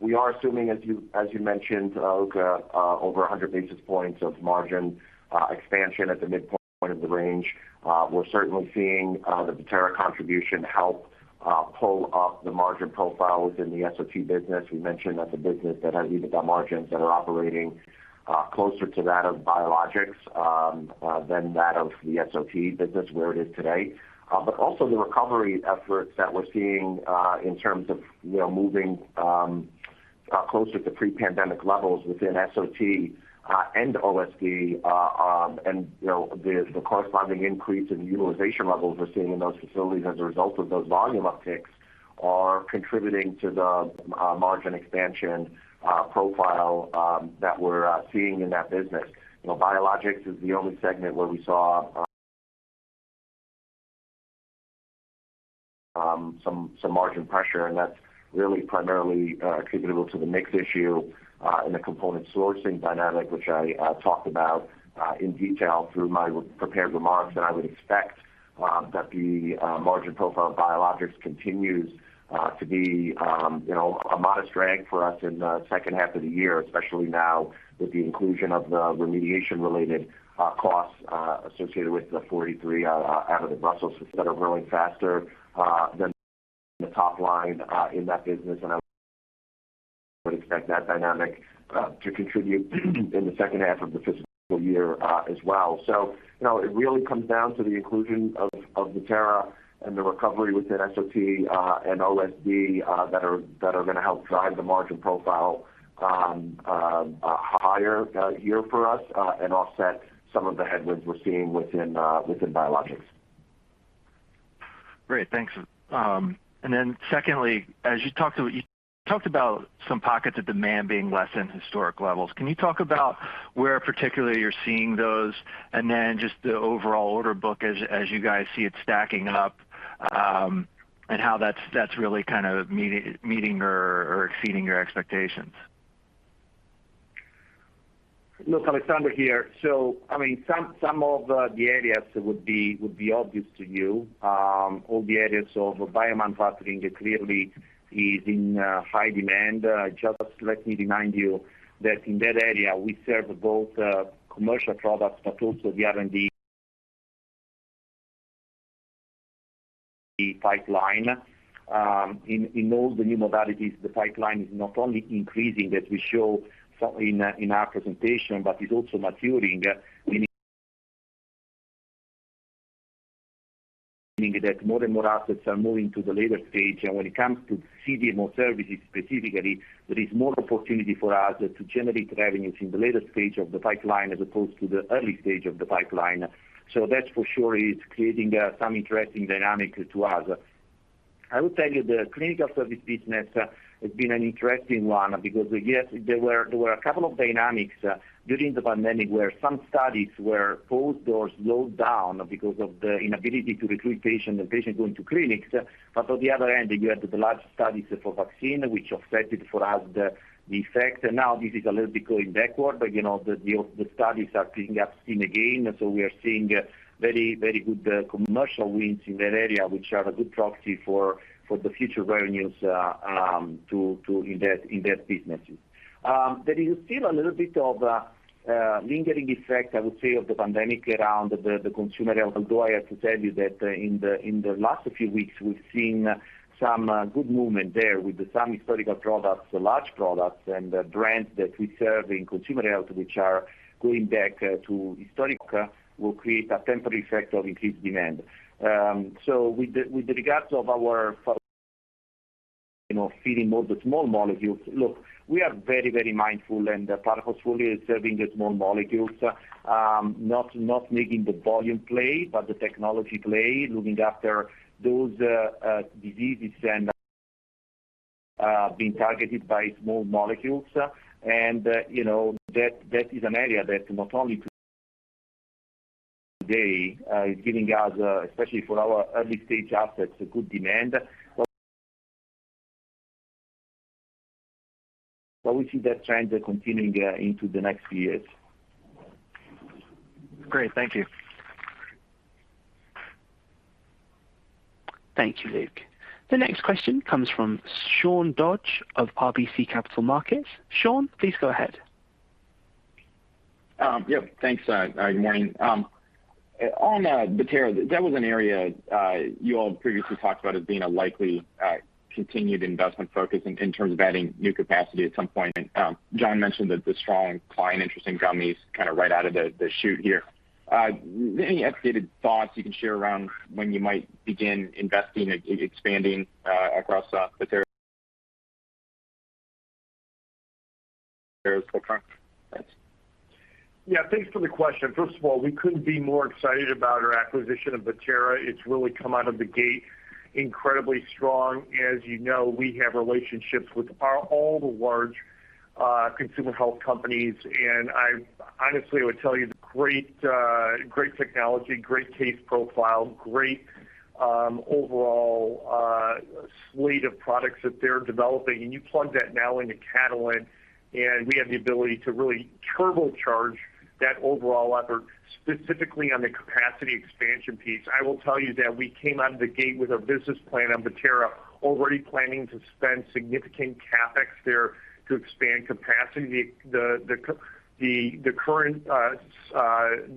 We are assuming, as you mentioned, Luke, over 100 basis points of margin expansion at the midpoint of the range. We're certainly seeing the Bettera contribution help pull up the margin profile within the SOT business. We mentioned that's a business that has EBITDA margins that are operating closer to that of biologics than that of the SOT business where it is today. Also the recovery efforts that we're seeing in terms of, you know, moving closer to pre-pandemic levels within SOT and OSD. You know, the corresponding increase in utilization levels we're seeing in those facilities as a result of those volume upticks are contributing to the margin expansion profile that we're seeing in that business. You know, Biologics is the only segment where we saw some margin pressure, and that's really primarily attributable to the mix issue and the component sourcing dynamic, which I talked about in detail through my prepared remarks. I would expect that the margin profile Biologics continues to be, you know, a modest drag for us in the second half of the year, especially now with the inclusion of the remediation-related costs associated with the Form 483 out of the Brussels that are growing faster than the top line in that business. I would expect that dynamic to contribute in the second half of the fiscal year as well. You know, it really comes down to the inclusion of Bettera and the recovery within SOT and OSD that are going to help drive the margin profile higher here for us and offset some of the headwinds we're seeing within biologics. Great. Thanks. Then secondly, as you talked about some pockets of demand being less than historic levels. Can you talk about where particularly you're seeing those? Then just the overall order book as you guys see it stacking up, and how that's really kind of meeting or exceeding your expectations. Look, Alessandro here. I mean, some of the areas would be obvious to you. All the areas of biomanufacturing clearly is in high demand. Just let me remind you that in that area, we serve both commercial products but also the R&D pipeline. In all the new modalities, the pipeline is not only increasing as we show some in our presentation, but is also maturing, meaning that more and more assets are moving to the later stage. When it comes to CDMO services specifically, there is more opportunity for us to generate revenues in the later stage of the pipeline as opposed to the early stage of the pipeline. That for sure is creating some interesting dynamics to us. I would tell you the Clinical Service business has been an interesting one because, yes, there were a couple of dynamics during the pandemic where some studies were paused or slowed down because of the inability to recruit patients and patients going to clinics. On the other hand, you had the large studies for vaccine, which affected for us the effect. Now this is a little bit going backward, but you know, the studies are picking up steam again. We are seeing very, very good commercial wins in that area, which are a good proxy for the future revenues to invest in their businesses. There is still a little bit of a lingering effect, I would say, of the pandemic around the consumer health, although I have to tell you that in the last few weeks, we've seen some good movement there with some historical products, large products and brands that we serve in consumer health, which are going back to historical will create a temporary effect of increased demand. With the regards of our, you know, feeding more the small molecules, look, we are very, very mindful and the products fully is serving the small molecules. Not making the volume play, but the technology play, looking after those diseases and being targeted by small molecules. You know, that is an area that not only today is giving us, especially for our early-stage assets, a good demand, but we see that trend continuing into the next few years. Great. Thank you. Thank you, Luke. The next question comes from Sean Dodge of RBC Capital Markets. Sean, please go ahead. Yep. Thanks. Good morning. On Bettera, that was an area you all previously talked about as being a likely continued investment focus in terms of adding new capacity at some point. John mentioned that the strong client interest in gummies kind of right out of the chute here. Any updated thoughts you can share around when you might begin investing, expanding across Bettera's footprint? Thanks. Yeah, thanks for the question. First of all, we couldn't be more excited about our acquisition of Bettera. It's really come out of the gate incredibly strong. As you know, we have relationships with all the large consumer health companies, and I honestly would tell you it's great technology, great case profile, great overall suite of products that they're developing. You plug that now into Catalent, and we have the ability to really turbocharge that overall effort, specifically on the capacity expansion piece. I will tell you that we came out of the gate with our business plan on Bettera already planning to spend significant CapEx there to expand capacity. The current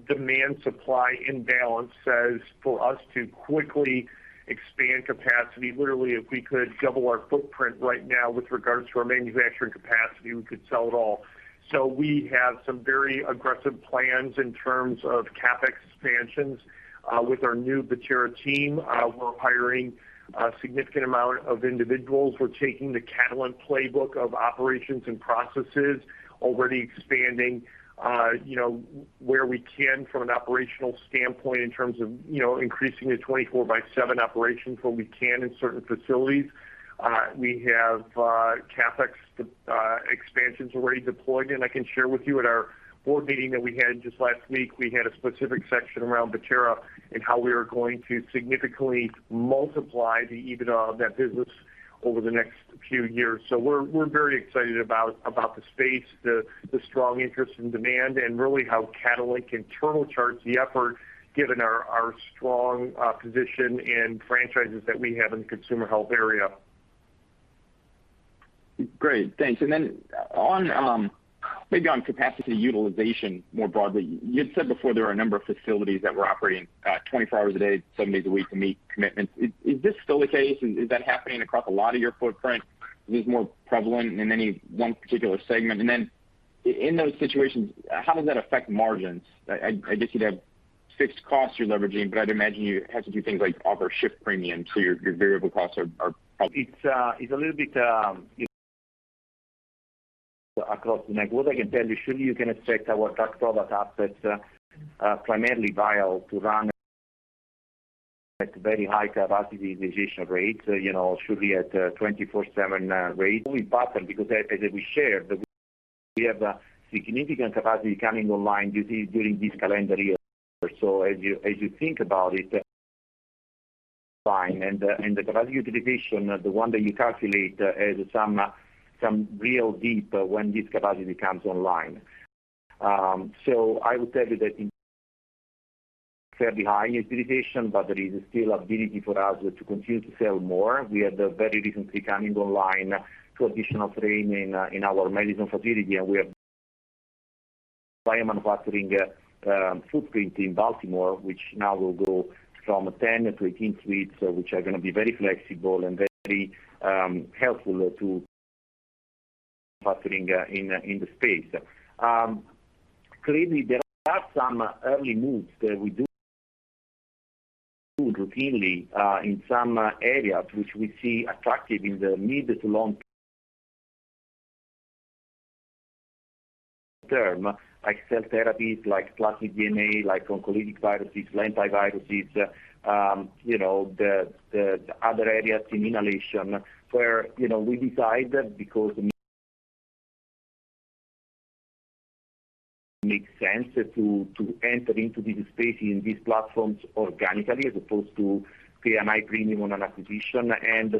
demand-supply imbalance says for us to quickly expand capacity. Literally, if we could double our footprint right now with regards to our manufacturing capacity, we could sell it all. We have some very aggressive plans in terms of CapEx expansions with our new Bettera team. We're hiring a significant amount of individuals. We're taking the Catalent playbook of operations and processes, already expanding, you know, where we can from an operational standpoint in terms of, you know, increasing the 24/7 operations where we can in certain facilities. We have CapEx expansions already deployed, and I can share with you at our board meeting that we had just last week, a specific section around Bettera and how we are going to significantly multiply the EBITDA of that business over the next few years. We're very excited about the space, the strong interest and demand, and really how Catalent can turbocharge the effort given our strong position and franchises that we have in the consumer health area. Great. Thanks. Then on maybe on capacity utilization more broadly, you'd said before there are a number of facilities that were operating 24 hours a day, seven days a week to meet commitments. Is this still the case? Is that happening across a lot of your footprint? Is this more prevalent in any one particular segment? Then in those situations, how does that affect margins? I guess you'd have fixed costs you're leveraging, but I'd imagine you have to do things like offer shift premium, so your variable costs are probably. It's a little bit, you know, across the network. What I can tell you, surely you can expect our drug product assets, primarily vials to run at very high capacity utilization rates, you know, surely at 24/7 rates. Only partly because as we shared, we have a significant capacity coming online during this calendar year. As you think about it, fine, the capacity utilization, the one that you calculate has some real depth when this capacity comes online. I would tell you that fairly high utilization, but there is still ability for us to continue to sell more. We are very recently coming online to additional training in our Madison facility, and we have bio-manufacturing footprint in Baltimore, which now will go from 10-18 suites, which are gonna be very flexible and very helpful to manufacturing in the space. Clearly there are some early moves that we do routinely in some areas which we see attractive in the mid- to long-term, like cell therapies, like plasmid DNA, like oncolytic viruses, lentiviruses, you know, the other areas in inhalation where, you know, we decide that because it makes sense to enter into this space in these platforms organically as opposed to pay a high premium on an acquisition.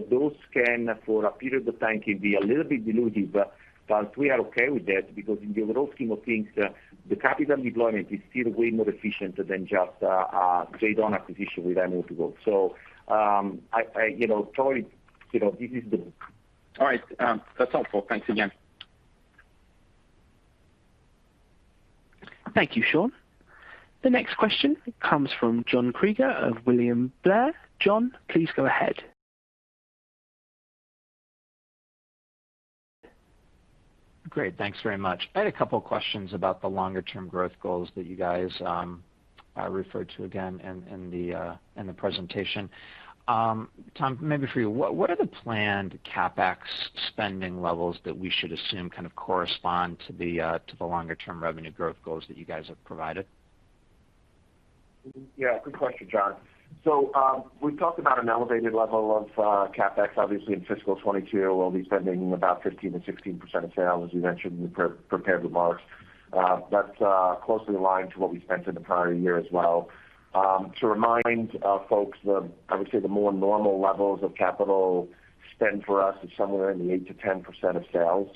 Those can, for a period of time, be a little bit dilutive, but we are okay with that because in the overall scheme of things, the capital deployment is still way more efficient than just a trade-on acquisition with our multiple. I you know sorry you know this is the- All right. That's all, folks. Thanks again. Thank you, Sean. The next question comes from John Kreger of William Blair. John, please go ahead. Great. Thanks very much. I had a couple questions about the longer term growth goals that you guys referred to again in the presentation. Tom, maybe for you, what are the planned CapEx spending levels that we should assume kind of correspond to the longer term revenue growth goals that you guys have provided? Yeah, good question, John. We've talked about an elevated level of CapEx. Obviously in fiscal 2022, we'll be spending about 15%-16% of sales, as you mentioned in the prepared remarks. That's closely aligned to what we spent in the prior year as well. To remind folks obviously the more normal levels of capital spend for us is somewhere in the 8%-10% of sales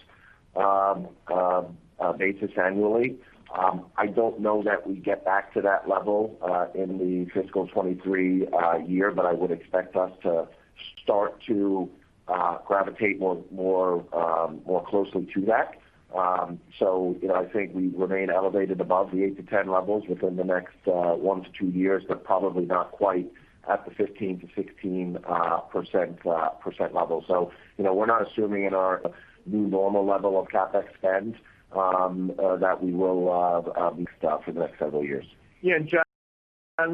basis annually. I don't know that we get back to that level in the fiscal 2023 year, but I would expect us to start to gravitate more closely to that. You know, I think we remain elevated above the 8%-10% levels within the next one to two years, but probably not quite at the 15%-16% level. You know, we're not assuming in our new normal level of CapEx spend that we will be stuck for the next several years. Yeah. John,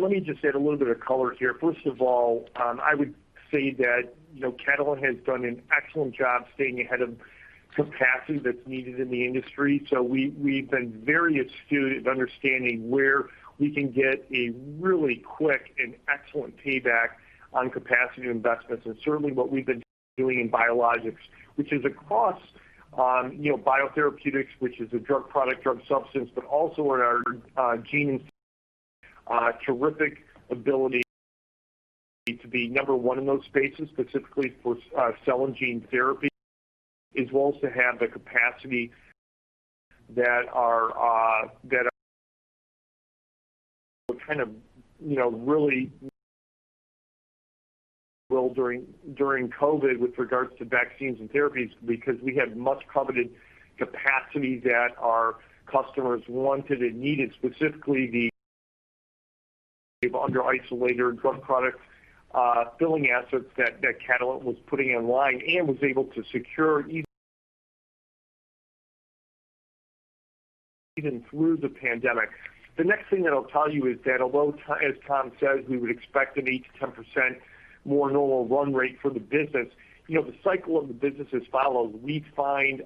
let me just add a little bit of color here. First of all, I would say that, you know, Catalent has done an excellent job staying ahead of capacity that's needed in the industry. We've been very astute at understanding where we can get a really quick and excellent payback on capacity investments. Certainly what we've been doing in biologics, which is across biotherapeutics, which is a drug product, drug substance, but also in our gene and terrific ability to be number one in those spaces, specifically for cell and gene therapy, as well as to have the capacity that are kind of really well during COVID with regards to vaccines and therapies, because we had much-coveted capacity that our customers wanted and needed, specifically the under isolator drug product filling assets that Catalent was putting online and was able to secure even through the pandemic. The next thing that I'll tell you is that although as Tom says, we would expect an 8%-10% more normal run rate for the business, the cycle of the business has followed. We find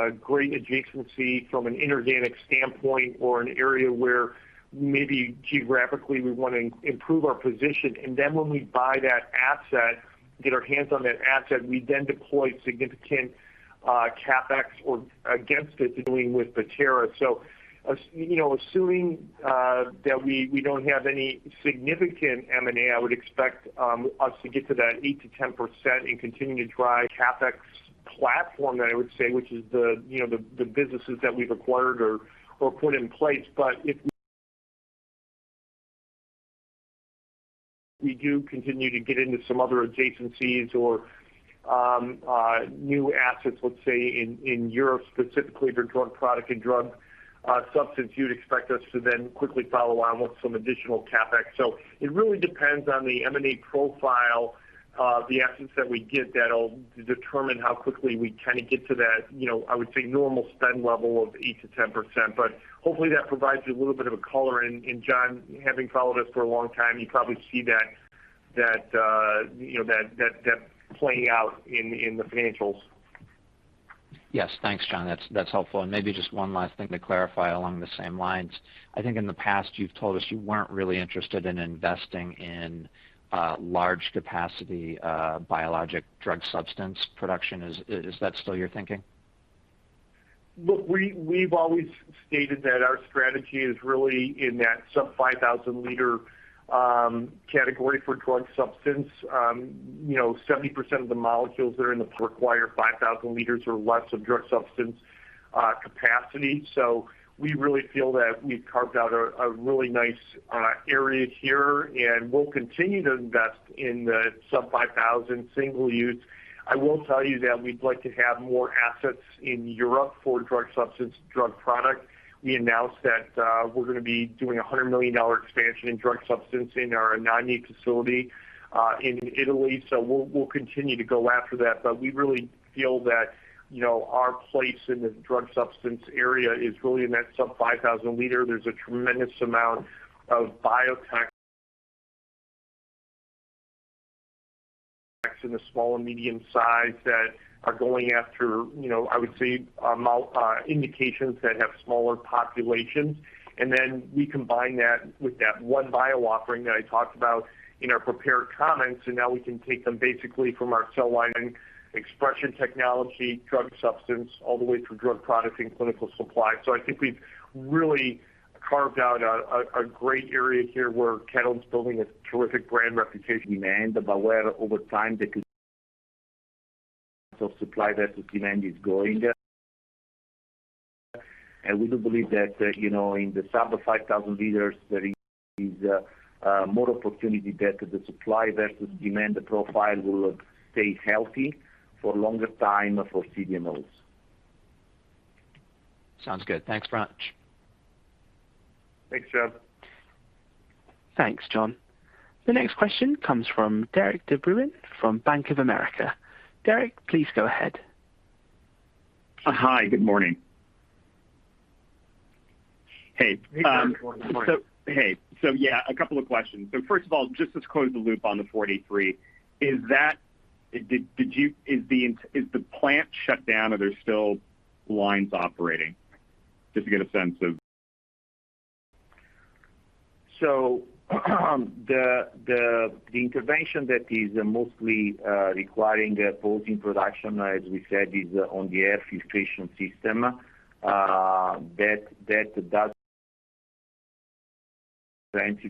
a great adjacency from an inorganic standpoint or an area where maybe geographically we want to improve our position. Then when we buy that asset, get our hands on that asset, we then deploy significant CapEx or against it dealing with the tariff. You know, assuming that we don't have any significant M&A, I would expect us to get to that 8%-10% and continue to drive CapEx platform that I would say, which is, you know, the businesses that we've acquired or put in place. If we do continue to get into some other adjacencies or new assets, let's say in Europe specifically for drug product and drug substance, you'd expect us to then quickly follow on with some additional CapEx. It really depends on the M&A profile, the assets that we get that'll determine how quickly we kind of get to that, you know, I would say normal spend level of 8%-10%. But hopefully that provides you a little bit of a color. John, having followed us for a long time, you probably see that, you know, that playing out in the financials. Yes. Thanks, John. That's helpful. Maybe just one last thing to clarify along the same lines. I think in the past you've told us you weren't really interested in investing in large capacity biologic drug substance production. Is that still your thinking? Look, we've always stated that our strategy is really in that sub 5,000 L category for drug substance. You know, 70% of the molecules that are in the require 5,000 L or less of drug substance capacity. We really feel that we've carved out a really nice area here, and we'll continue to invest in the sub 5,000 L single use. I will tell you that we'd like to have more assets in Europe for drug substance, drug product. We announced that we're going to be doing a $100 million expansion in drug substance in our Anagni facility in Italy. We'll continue to go after that. We really feel that, you know, our place in the drug substance area is really in that sub 5,000 L. There's a tremendous amount of biotech in the small and medium size that are going after, you know, I would say, indications that have smaller populations. Then we combine that with that OneBio offering that I talked about in our prepared comments, and now we can take them basically from our cell line and expression technology, drug substance, all the way through drug product and clinical supply. I think we've really carved out a great area here where Catalent is building a terrific brand reputation. Demand, but where over time the supply versus demand is going. We do believe that, you know, in the sub 5,000 L, there is more opportunity that the supply versus demand profile will stay healthy for longer time for CDMOs. Sounds good. Thanks very much. Thanks, John. Thanks, John. The next question comes from Derik de Bruin from Bank of America. Derek, please go ahead. Hi. Good morning. Hey. Hey, Derik. Good morning. Hey. Yeah, a couple of questions. First of all, just to close the loop on the 43, is that—did you—is the plant shut down, or there's still lines operating? Just to get a sense of The intervention that is mostly requiring a pause in production, as we said, is on the air filtration system. That does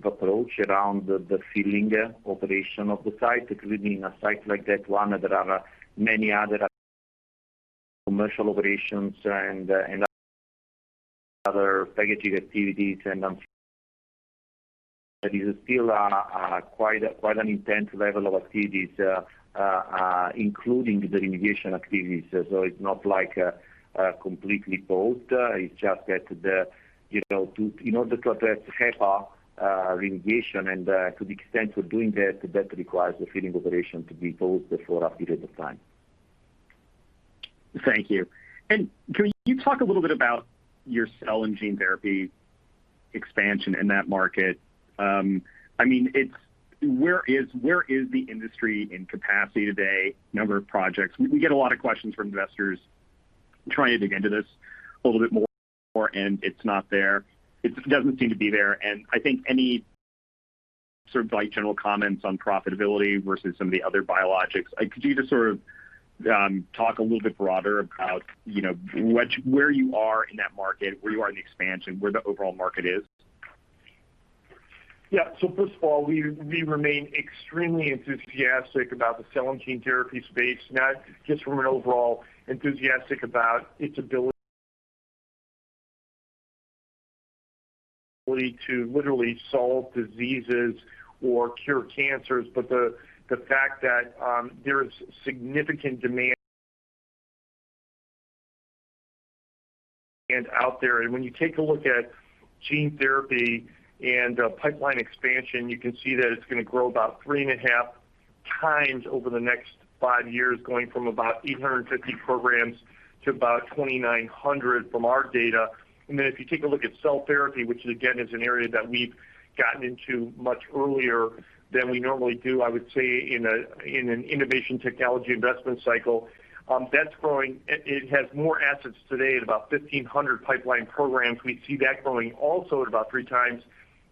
approach around the filling operation of the site. Including a site like that one, there are many other commercial operations and other packaging activities. But it is still quite an intense level of activities, including the remediation activities. It's not like completely paused. It's just that, you know, in order to address HEPA remediation and to the extent we're doing that requires the filling operation to be paused for a period of time. Thank you. Can you talk a little bit about your cell and gene therapy expansion in that market? I mean, where is the industry in capacity today, number of projects? We get a lot of questions from investors trying to dig into this a little bit more, and it's not there. It doesn't seem to be there. I think any sort of, like, general comments on profitability versus some of the other biologics. Could you just sort of talk a little bit broader about, you know, where you are in that market, where you are in the expansion, where the overall market is? Yeah. First of all, we remain extremely enthusiastic about the cell and gene therapy space, not just from an overall enthusiastic about its ability to literally solve diseases or cure cancers, but the fact that there's significant demand and out there and when you take a look at gene therapy and pipeline expansion, you can see that it's going to grow about 3.5x over the next five years, going from about 850 programs to about 2,900 from our data. Then if you take a look at cell therapy, which again is an area that we've gotten into much earlier than we normally do, I would say in an innovation technology investment cycle, that's growing. It has more assets today at about 1,500 pipeline programs. We see that growing also at about 3x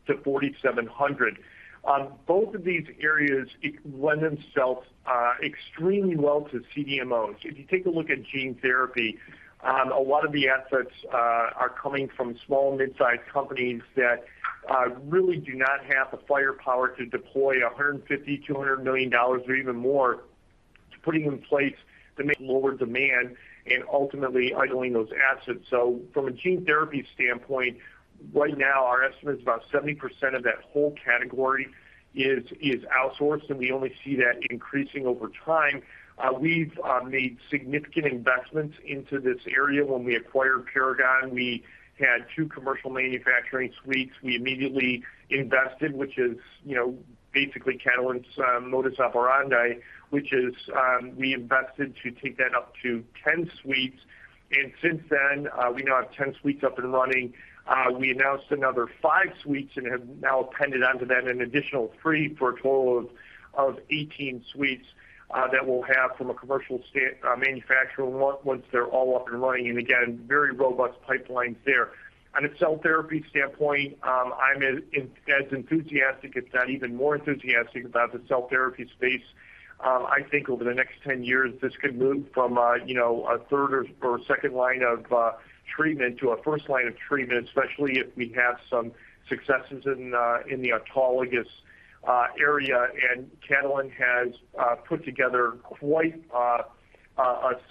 to 4,700. Both of these areas lend themselves extremely well to CDMOs. If you take a look at gene therapy, a lot of the assets are coming from small and mid-sized companies that really do not have the firepower to deploy $150 million, $200 million or even more to putting in place to meet lower demand and ultimately idling those assets. From a gene therapy standpoint, right now, our estimate is about 70% of that whole category is outsourced, and we only see that increasing over time. We've made significant investments into this area. When we acquired Paragon, we had two commercial manufacturing suites we immediately invested, which is, you know, basically Catalent's modus operandi, which is we invested to take that up to 10 suites. Since then, we now have 10 suites up and running. We announced another five suites and have now appended onto that an additional three for a total of 18 suites that we'll have from a commercial manufacturer once they're all up and running. Again, very robust pipelines there. On a cell therapy standpoint, I'm as enthusiastic, if not even more enthusiastic about the cell therapy space. I think over the next 10 years, this could move from a, you know, 1/3 or second line of treatment to a first line of treatment, especially if we have some successes in the autologous area. Catalent has put together quite a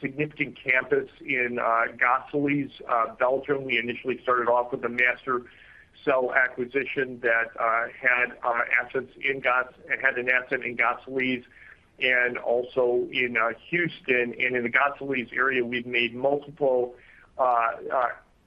significant campus in Gosselies, Belgium. We initially started off with a MaSTherCell acquisition that had assets in Gosselies and also in Houston. In the Gosselies area, we've made multiple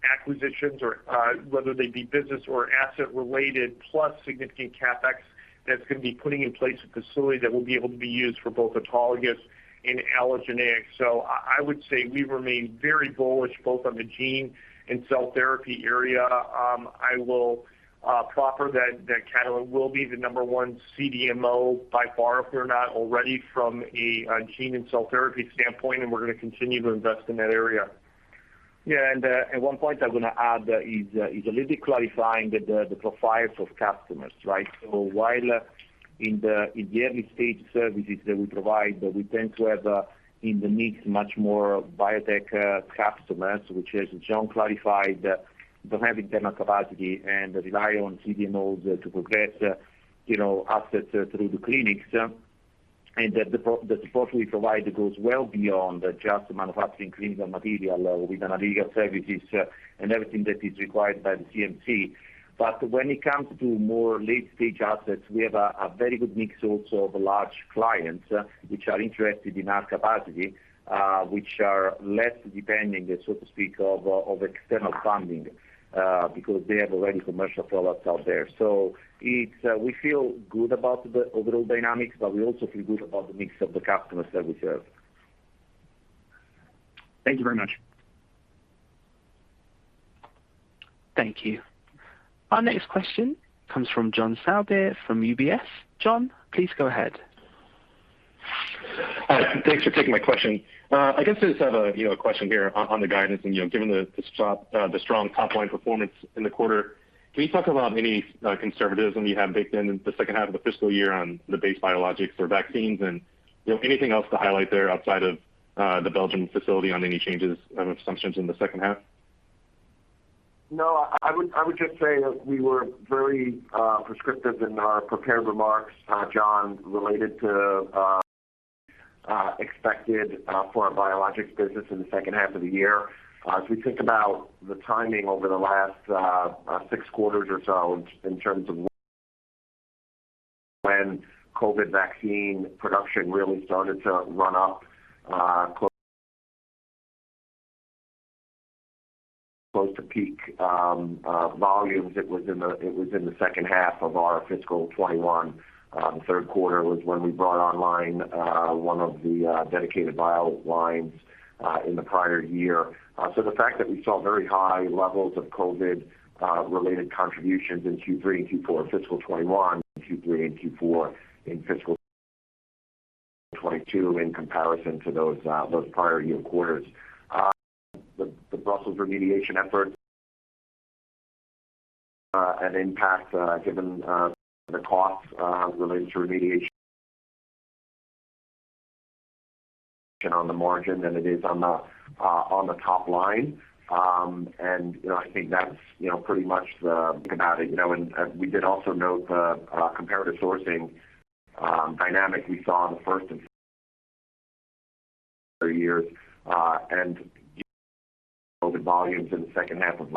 acquisitions or whether they be business or asset related, plus significant CapEx that's going to be putting in place a facility that will be able to be used for both autologous and allogeneic. I would say we remain very bullish both on the gene and cell therapy area. I will proffer that Catalent will be the number one CDMO by far, if we're not already from a gene and cell therapy standpoint, and we're going to continue to invest in that area. Yeah. One point I'm going to add is a little bit clarifying the profiles of customers, right? So while in the early stage services that we provide, we tend to have in the mix much more biotech customers, which, as John clarified, don't have internal capacity and rely on CDMOs to progress, you know, assets through the clinics. The support we provide goes well beyond just manufacturing clinical material with analytical services and everything that is required by the CMC. When it comes to more late-stage assets, we have a very good mix also of large clients which are interested in our capacity, which are less dependent, so to speak, of external funding, because they have already commercial products out there. We feel good about the overall dynamics, but we also feel good about the mix of the customers that we serve. Thank you very much. Thank you. Our next question comes from John Sourbeer from UBS. John, please go ahead. Thanks for taking my question. I guess I just have a you know a question here on the guidance. You know given the strong top line performance in the quarter can you talk about any conservatism you have baked in in the second half of the fiscal year on the base biologics or vaccines? You know anything else to highlight there outside of the Belgian facility on any changes of assumptions in the second half? No, I would just say that we were very prescriptive in our prepared remarks, John, related to expected for our biologics business in the second half of the year. As we think about the timing over the last six quarters or so in terms of when COVID vaccine production really started to run up close to peak volumes, it was in the second half of our fiscal 2021. Third quarter was when we brought online one of the dedicated bio lines in the prior year. The fact that we saw very high levels of COVID related contributions in Q3 and Q4 fiscal 2021, Q3 and Q4 in fiscal 2022 in comparison to those prior year quarters. The Brussels remediation effort had impact, given the costs related to remediation on the margin than it is on the top line. You know, I think that's pretty much about it, you know. We did also note the component sourcing dynamics we saw in the first and third years and COVID volumes in the second half of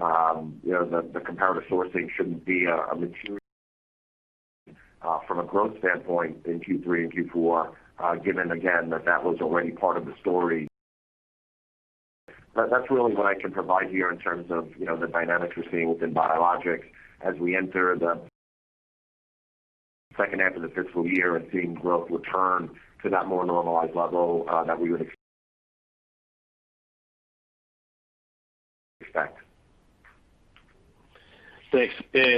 last year. You know, the component sourcing shouldn't be a material from a growth standpoint in Q3 and Q4, given again that that was already part of the story. That's really what I can provide here in terms of, you know, the dynamics we're seeing within biologics as we enter the second half of the fiscal year and seeing growth return to that more normalized level, that we would expect. Thanks.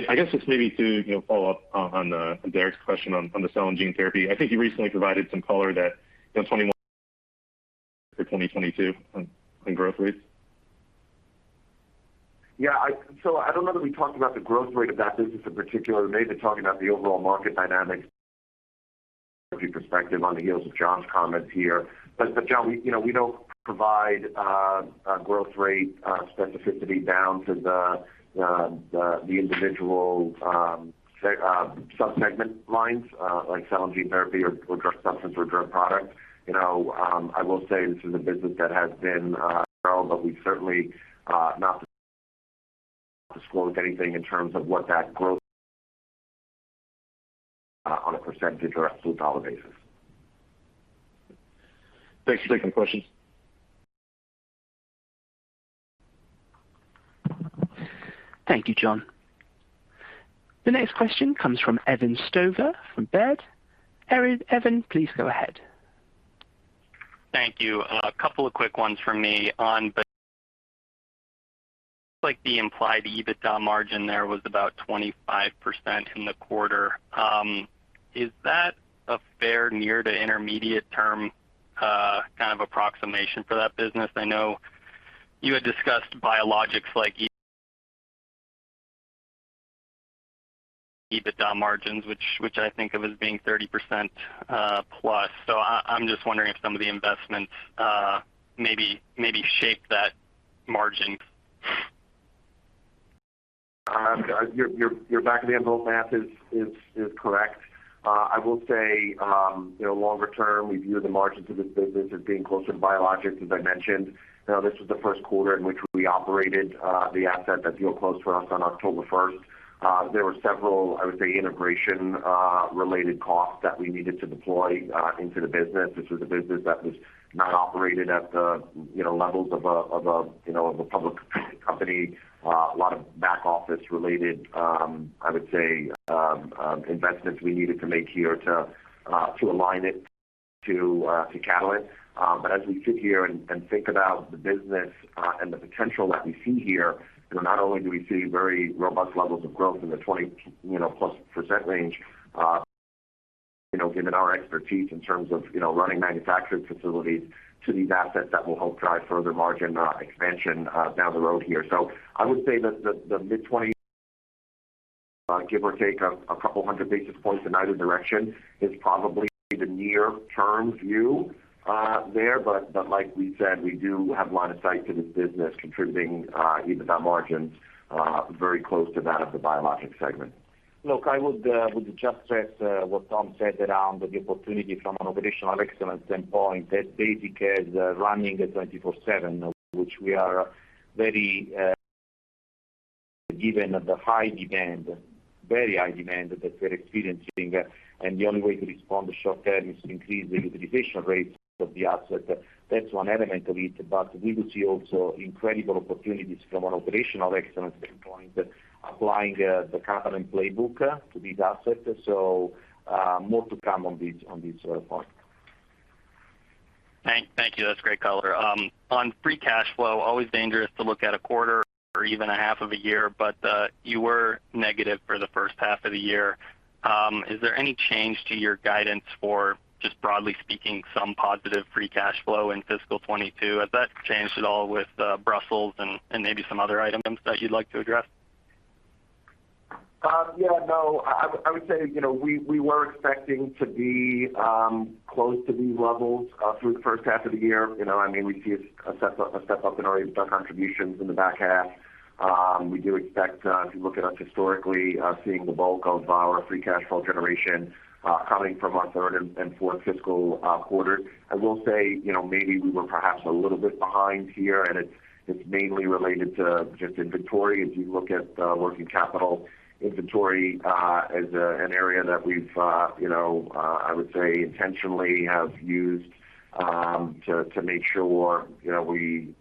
I guess just maybe to, you know, follow up on Derik's question on the cell and gene therapy. I think you recently provided some color that, you know, 21% for 2022 on growth rates. I don't know that we talked about the growth rate of that business in particular. We may have been talking about the overall market dynamics perspective on the heels of John's comments here. John, you know, we don't provide growth rate specificity down to the individual sub-segment lines like cell and gene therapy or drug substance or drug products. You know, I will say this is a business that has been, but we certainly do not disclose anything in terms of what that growth on a percentage or absolute dollar basis. Thanks. Second question. Thank you, John. The next question comes from Evan Stover from Baird. Evan, please go ahead. Thank you. A couple of quick ones for me. On like the implied EBITDA margin there was about 25% in the quarter. Is that a fair near to intermediate term kind of approximation for that business? I know you had discussed biologics like EBITDA margins, which I think of as being 30% plus. I'm just wondering if some of the investments maybe shape that margin. Your back of the envelope math is correct. I will say, you know, longer term, we view the margins of this business as being closer to biologics, as I mentioned. You know, this was the first quarter in which we operated the asset that deal closed for us on October first. There were several, I would say, integration related costs that we needed to deploy into the business. This was a business that was not operated at the levels of a public company. A lot of back office related investments we needed to make here to align it to Catalent. As we sit here and think about the business and the potential that we see here, you know, not only do we see very robust levels of growth in the 20%+ range, you know, given our expertise in terms of, you know, running manufacturing facilities to these assets that will help drive further margin expansion down the road here. I would say that the mid-20%, give or take a couple hundred basis points in either direction, is probably the near-term view there. Like we said, we do have line of sight to this business contributing EBITDA margins very close to that of the biologics segment. Look, I would just stress what Tom said around the opportunity from an operational excellence standpoint. That basically is running 24/7, which we are given the high demand that we're experiencing. The only way to respond to short-term is to increase the utilization rates of the asset. That's one element of it. We will see incredible opportunities from an operational excellence standpoint, applying the Catalent playbook to these assets. More to come on this point. Thank you. That's great color. On free cash flow, always dangerous to look at a quarter or even a half of a year, but you were negative for the first half of the year. Is there any change to your guidance for just broadly speaking, some positive free cash flow in fiscal 2022? Has that changed at all with Brussels and maybe some other items that you'd like to address? Yeah, no. I would say, you know, we were expecting to be close to these levels through the first half of the year. You know, I mean, we see a step up in our contributions in the back half. We do expect, if you look at us historically, seeing the bulk of our free cash flow generation coming from our third and fourth fiscal quarter. I will say, you know, maybe we were perhaps a little bit behind here, and it's mainly related to just inventory. If you look at working capital inventory as an area that we've you know I would say intentionally have used to make sure you know we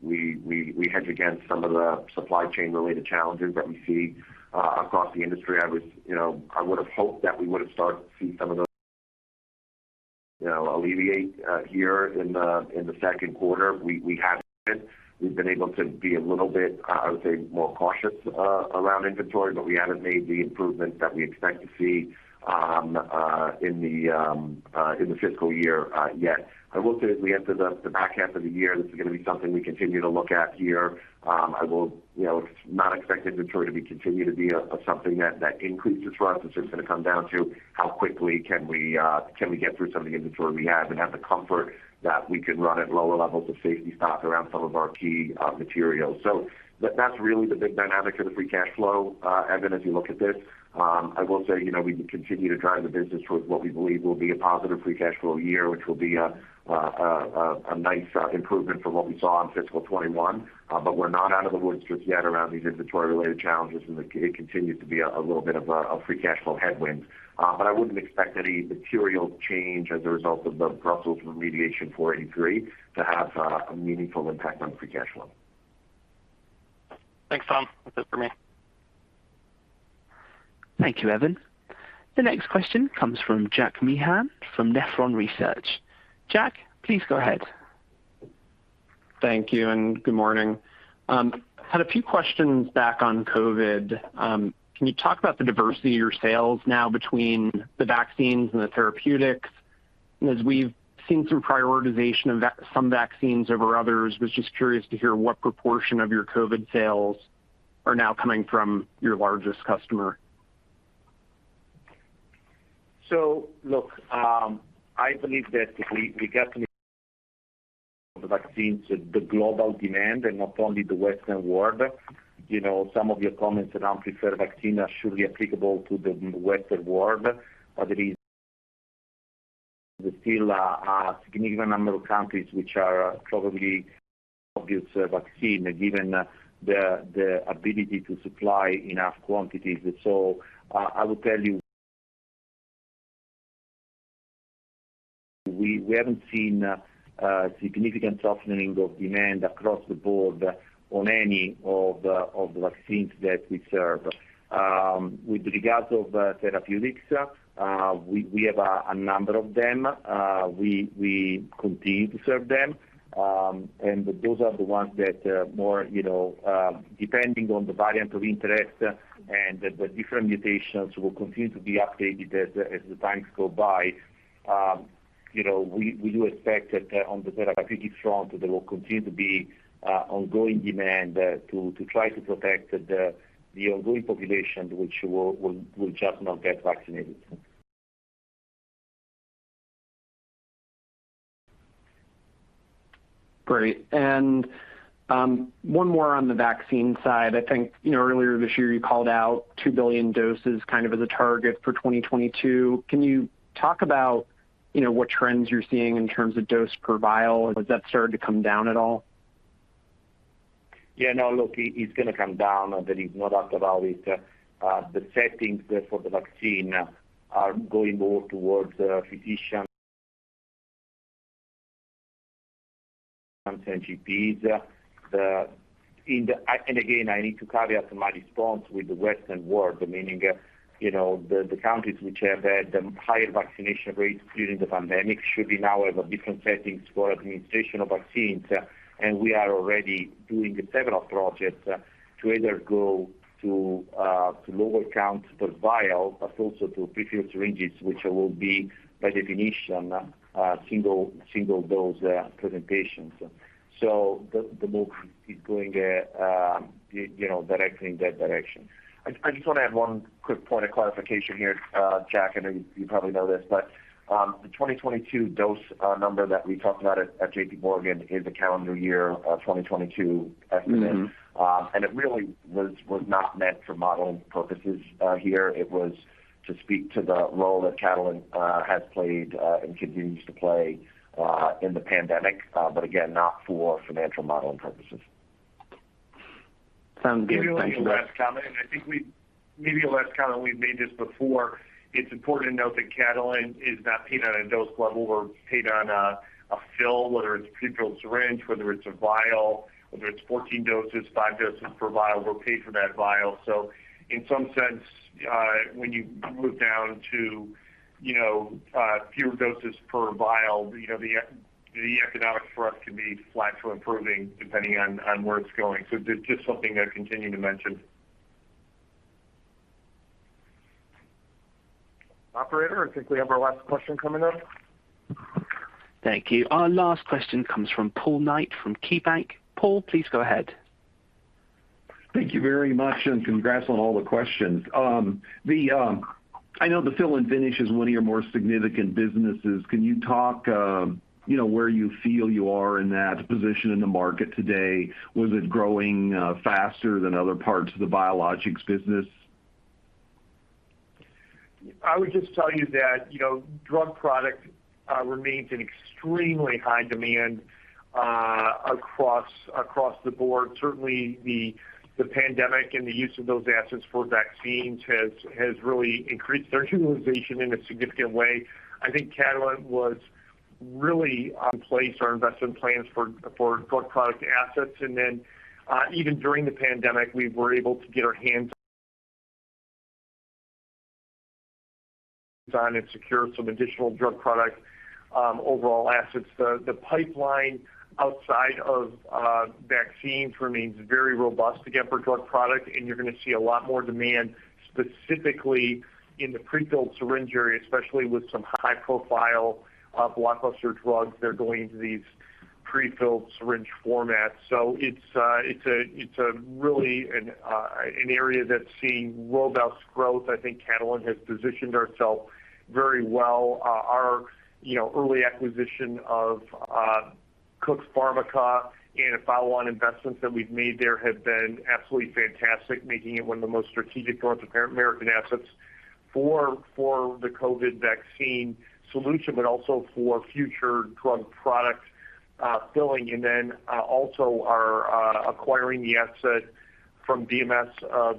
hedge against some of the supply chain related challenges that we see across the industry. I was you know I would have hoped that we would have started to see some of those you know alleviate here in the second quarter. We haven't. We've been able to be a little bit I would say more cautious around inventory, but we haven't made the improvements that we expect to see in the fiscal year yet. I will say as we enter the back half of the year, this is gonna be something we continue to look at here. I will, you know, not expect inventory to be continued to be a something that increases for us. It's just gonna come down to how quickly can we get through some of the inventory we have and have the comfort that we can run at lower levels of safety stock around some of our key materials. So that's really the big dynamic of the free cash flow, Evan, as you look at this. I will say, you know, we continue to drive the business towards what we believe will be a positive free cash flow year, which will be a nice improvement from what we saw in fiscal 2021. We're not out of the woods just yet around these inventory related challenges, and it continues to be a little bit of free cash flow headwinds. I wouldn't expect any material change as a result of the Brussels remediation Form 483 to have a meaningful impact on free cash flow. Thanks, Tom. That's it for me. Thank you, Evan. The next question comes from Jack Meehan from Nephron Research. Jack, please go ahead. Thank you, and good morning. I had a few questions back on COVID. Can you talk about the diversity of your sales now between the vaccines and the therapeutics? As we've seen some prioritization of some vaccines over others, I was just curious to hear what proportion of your COVID sales are now coming from your largest customer. Look, I believe that we definitely met the global demand for the vaccine and not only the Western world. You know, some of your comments around preferred vaccine are surely applicable to the Western world. There is still a significant number of countries which are probably vaccine short, given the ability to supply enough quantities. I will tell you we haven't seen significant softening of demand across the board on any of the vaccines that we serve. With regard to therapeutics, we have a number of them. We continue to serve them. And those are the ones that, you know, depending on the variant of interest and the different mutations will continue to be updated as the times go by. You know, we do expect that on the therapeutic front, there will continue to be ongoing demand to try to protect the ongoing population which will just not get vaccinated. Great. One more on the vaccine side. I think, you know, earlier this year, you called out 2 billion doses kind of as a target for 2022. Can you talk about, you know, what trends you're seeing in terms of dose per vial? Has that started to come down at all? Yeah, no, look, it's gonna come down. There is no doubt about it. The settings for the vaccine are going more towards physician GPs. In the, and again, I need to caveat my response with the Western world, meaning you know the countries which have had the higher vaccination rates during the pandemic should now have a different setting for administration of vaccines. We are already doing several projects to either go to lower counts per vial, but also to prefilled syringes, which will be, by definition, single-dose presentations. The move is going you know directly in that direction. I just wanna add one quick point of clarification here, Jack. I know you probably know this, but the 2022 dose number that we talked about at J.P. Morgan is a calendar year 2022 estimate. Mm-hmm. It really was not meant for modeling purposes here. It was to speak to the role that Catalent has played and continues to play in the pandemic, but again, not for financial modeling purposes. Sounds good. Thank you. Maybe the last comment, we've made this before. It's important to note that Catalent is not paid on a dose level. We're paid on a fill, whether it's prefilled syringe, whether it's a vial, whether it's 14 doses, five doses per vial, we're paid for that vial. In some sense, when you move down to, you know, fewer doses per vial, you know, the economics for us can be flat to improving depending on where it's going. Just something I continue to mention. Operator, I think we have our last question coming up. Thank you. Our last question comes from Paul Knight from KeyBanc. Paul, please go ahead. Thank you very much, and congrats on all the questions. I know the fill-and-finish is one of your more significant businesses. Can you talk where you feel you are in that position in the market today? Was it growing faster than other parts of the biologics business? I would just tell you that, you know, drug product remains an extremely high demand across the board. Certainly, the pandemic and the use of those assets for vaccines has really increased their utilization in a significant way. I think Catalent was really in place with our investment plans for drug product assets. Even during the pandemic, we were able to get our hands on and secure some additional drug product overall assets. The pipeline outside of vaccines remains very robust, again, for drug product, and you're gonna see a lot more demand, specifically in the prefilled syringe area, especially with some high-profile blockbuster drugs that are going into these prefilled syringe formats. It's really an area that's seeing robust growth. I think Catalent has positioned ourselves very well. You know, our early acquisition of Cook Pharmica and the follow-on investments that we've made there have been absolutely fantastic, making it one of the most strategic North American assets for the COVID vaccine solution, but also for future drug product filling. Also, our acquiring the asset from BMS,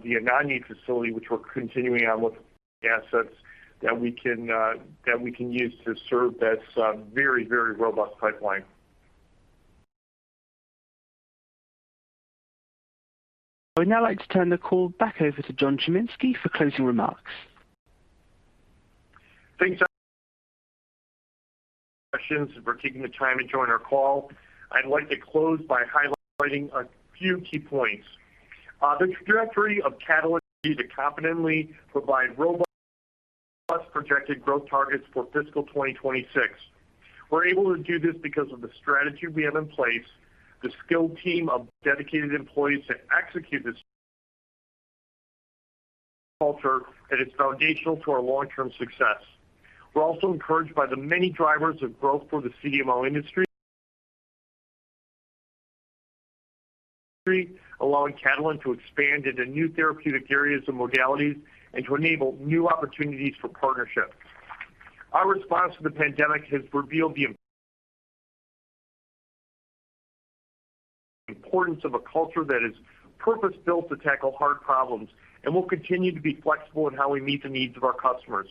the Anagni facility, which we're continuing on with assets that we can use to serve this very, very robust pipeline. I would now like to turn the call back over to John Chiminski for closing remarks. Thank you for taking the time to join our call. I'd like to close by highlighting a few key points. The trajectory of Catalent continues to confidently provide robust plus projected growth targets for fiscal 2026. We're able to do this because of the strategy we have in place, the skilled team of dedicated employees to execute this culture, and it's foundational to our long-term success. We're also encouraged by the many drivers of growth for the CDMO industry, allowing Catalent to expand into new therapeutic areas and modalities and to enable new opportunities for partnerships. Our response to the pandemic has revealed the importance of a culture that is purpose-built to tackle hard problems, and we'll continue to be flexible in how we meet the needs of our customers.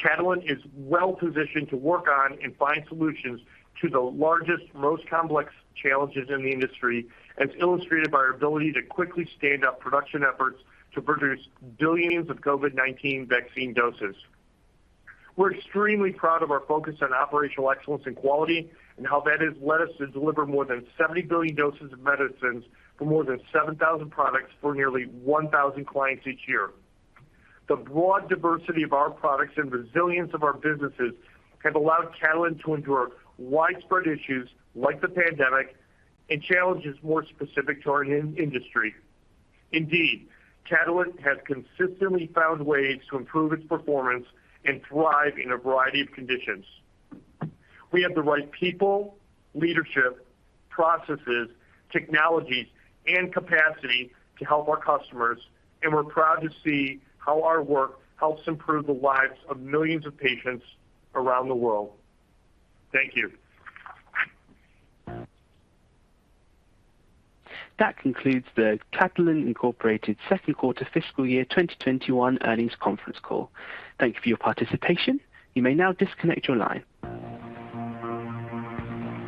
Catalent is well-positioned to work on and find solutions to the largest, most complex challenges in the industry, as illustrated by our ability to quickly stand up production efforts to produce billions of COVID-19 vaccine doses. We're extremely proud of our focus on operational excellence and quality and how that has led us to deliver more than 70 billion doses of medicines for more than 7,000 products for nearly 1,000 clients each year. The broad diversity of our products and resilience of our businesses have allowed Catalent to endure widespread issues like the pandemic and challenges more specific to our in-industry. Indeed, Catalent has consistently found ways to improve its performance and thrive in a variety of conditions. We have the right people, leadership, processes, technologies, and capacity to help our customers, and we're proud to see how our work helps improve the lives of millions of patients around the world. Thank you. That concludes the Catalent, Inc. second quarter fiscal year 2021 earnings conference call. Thank you for your participation. You may now disconnect your line.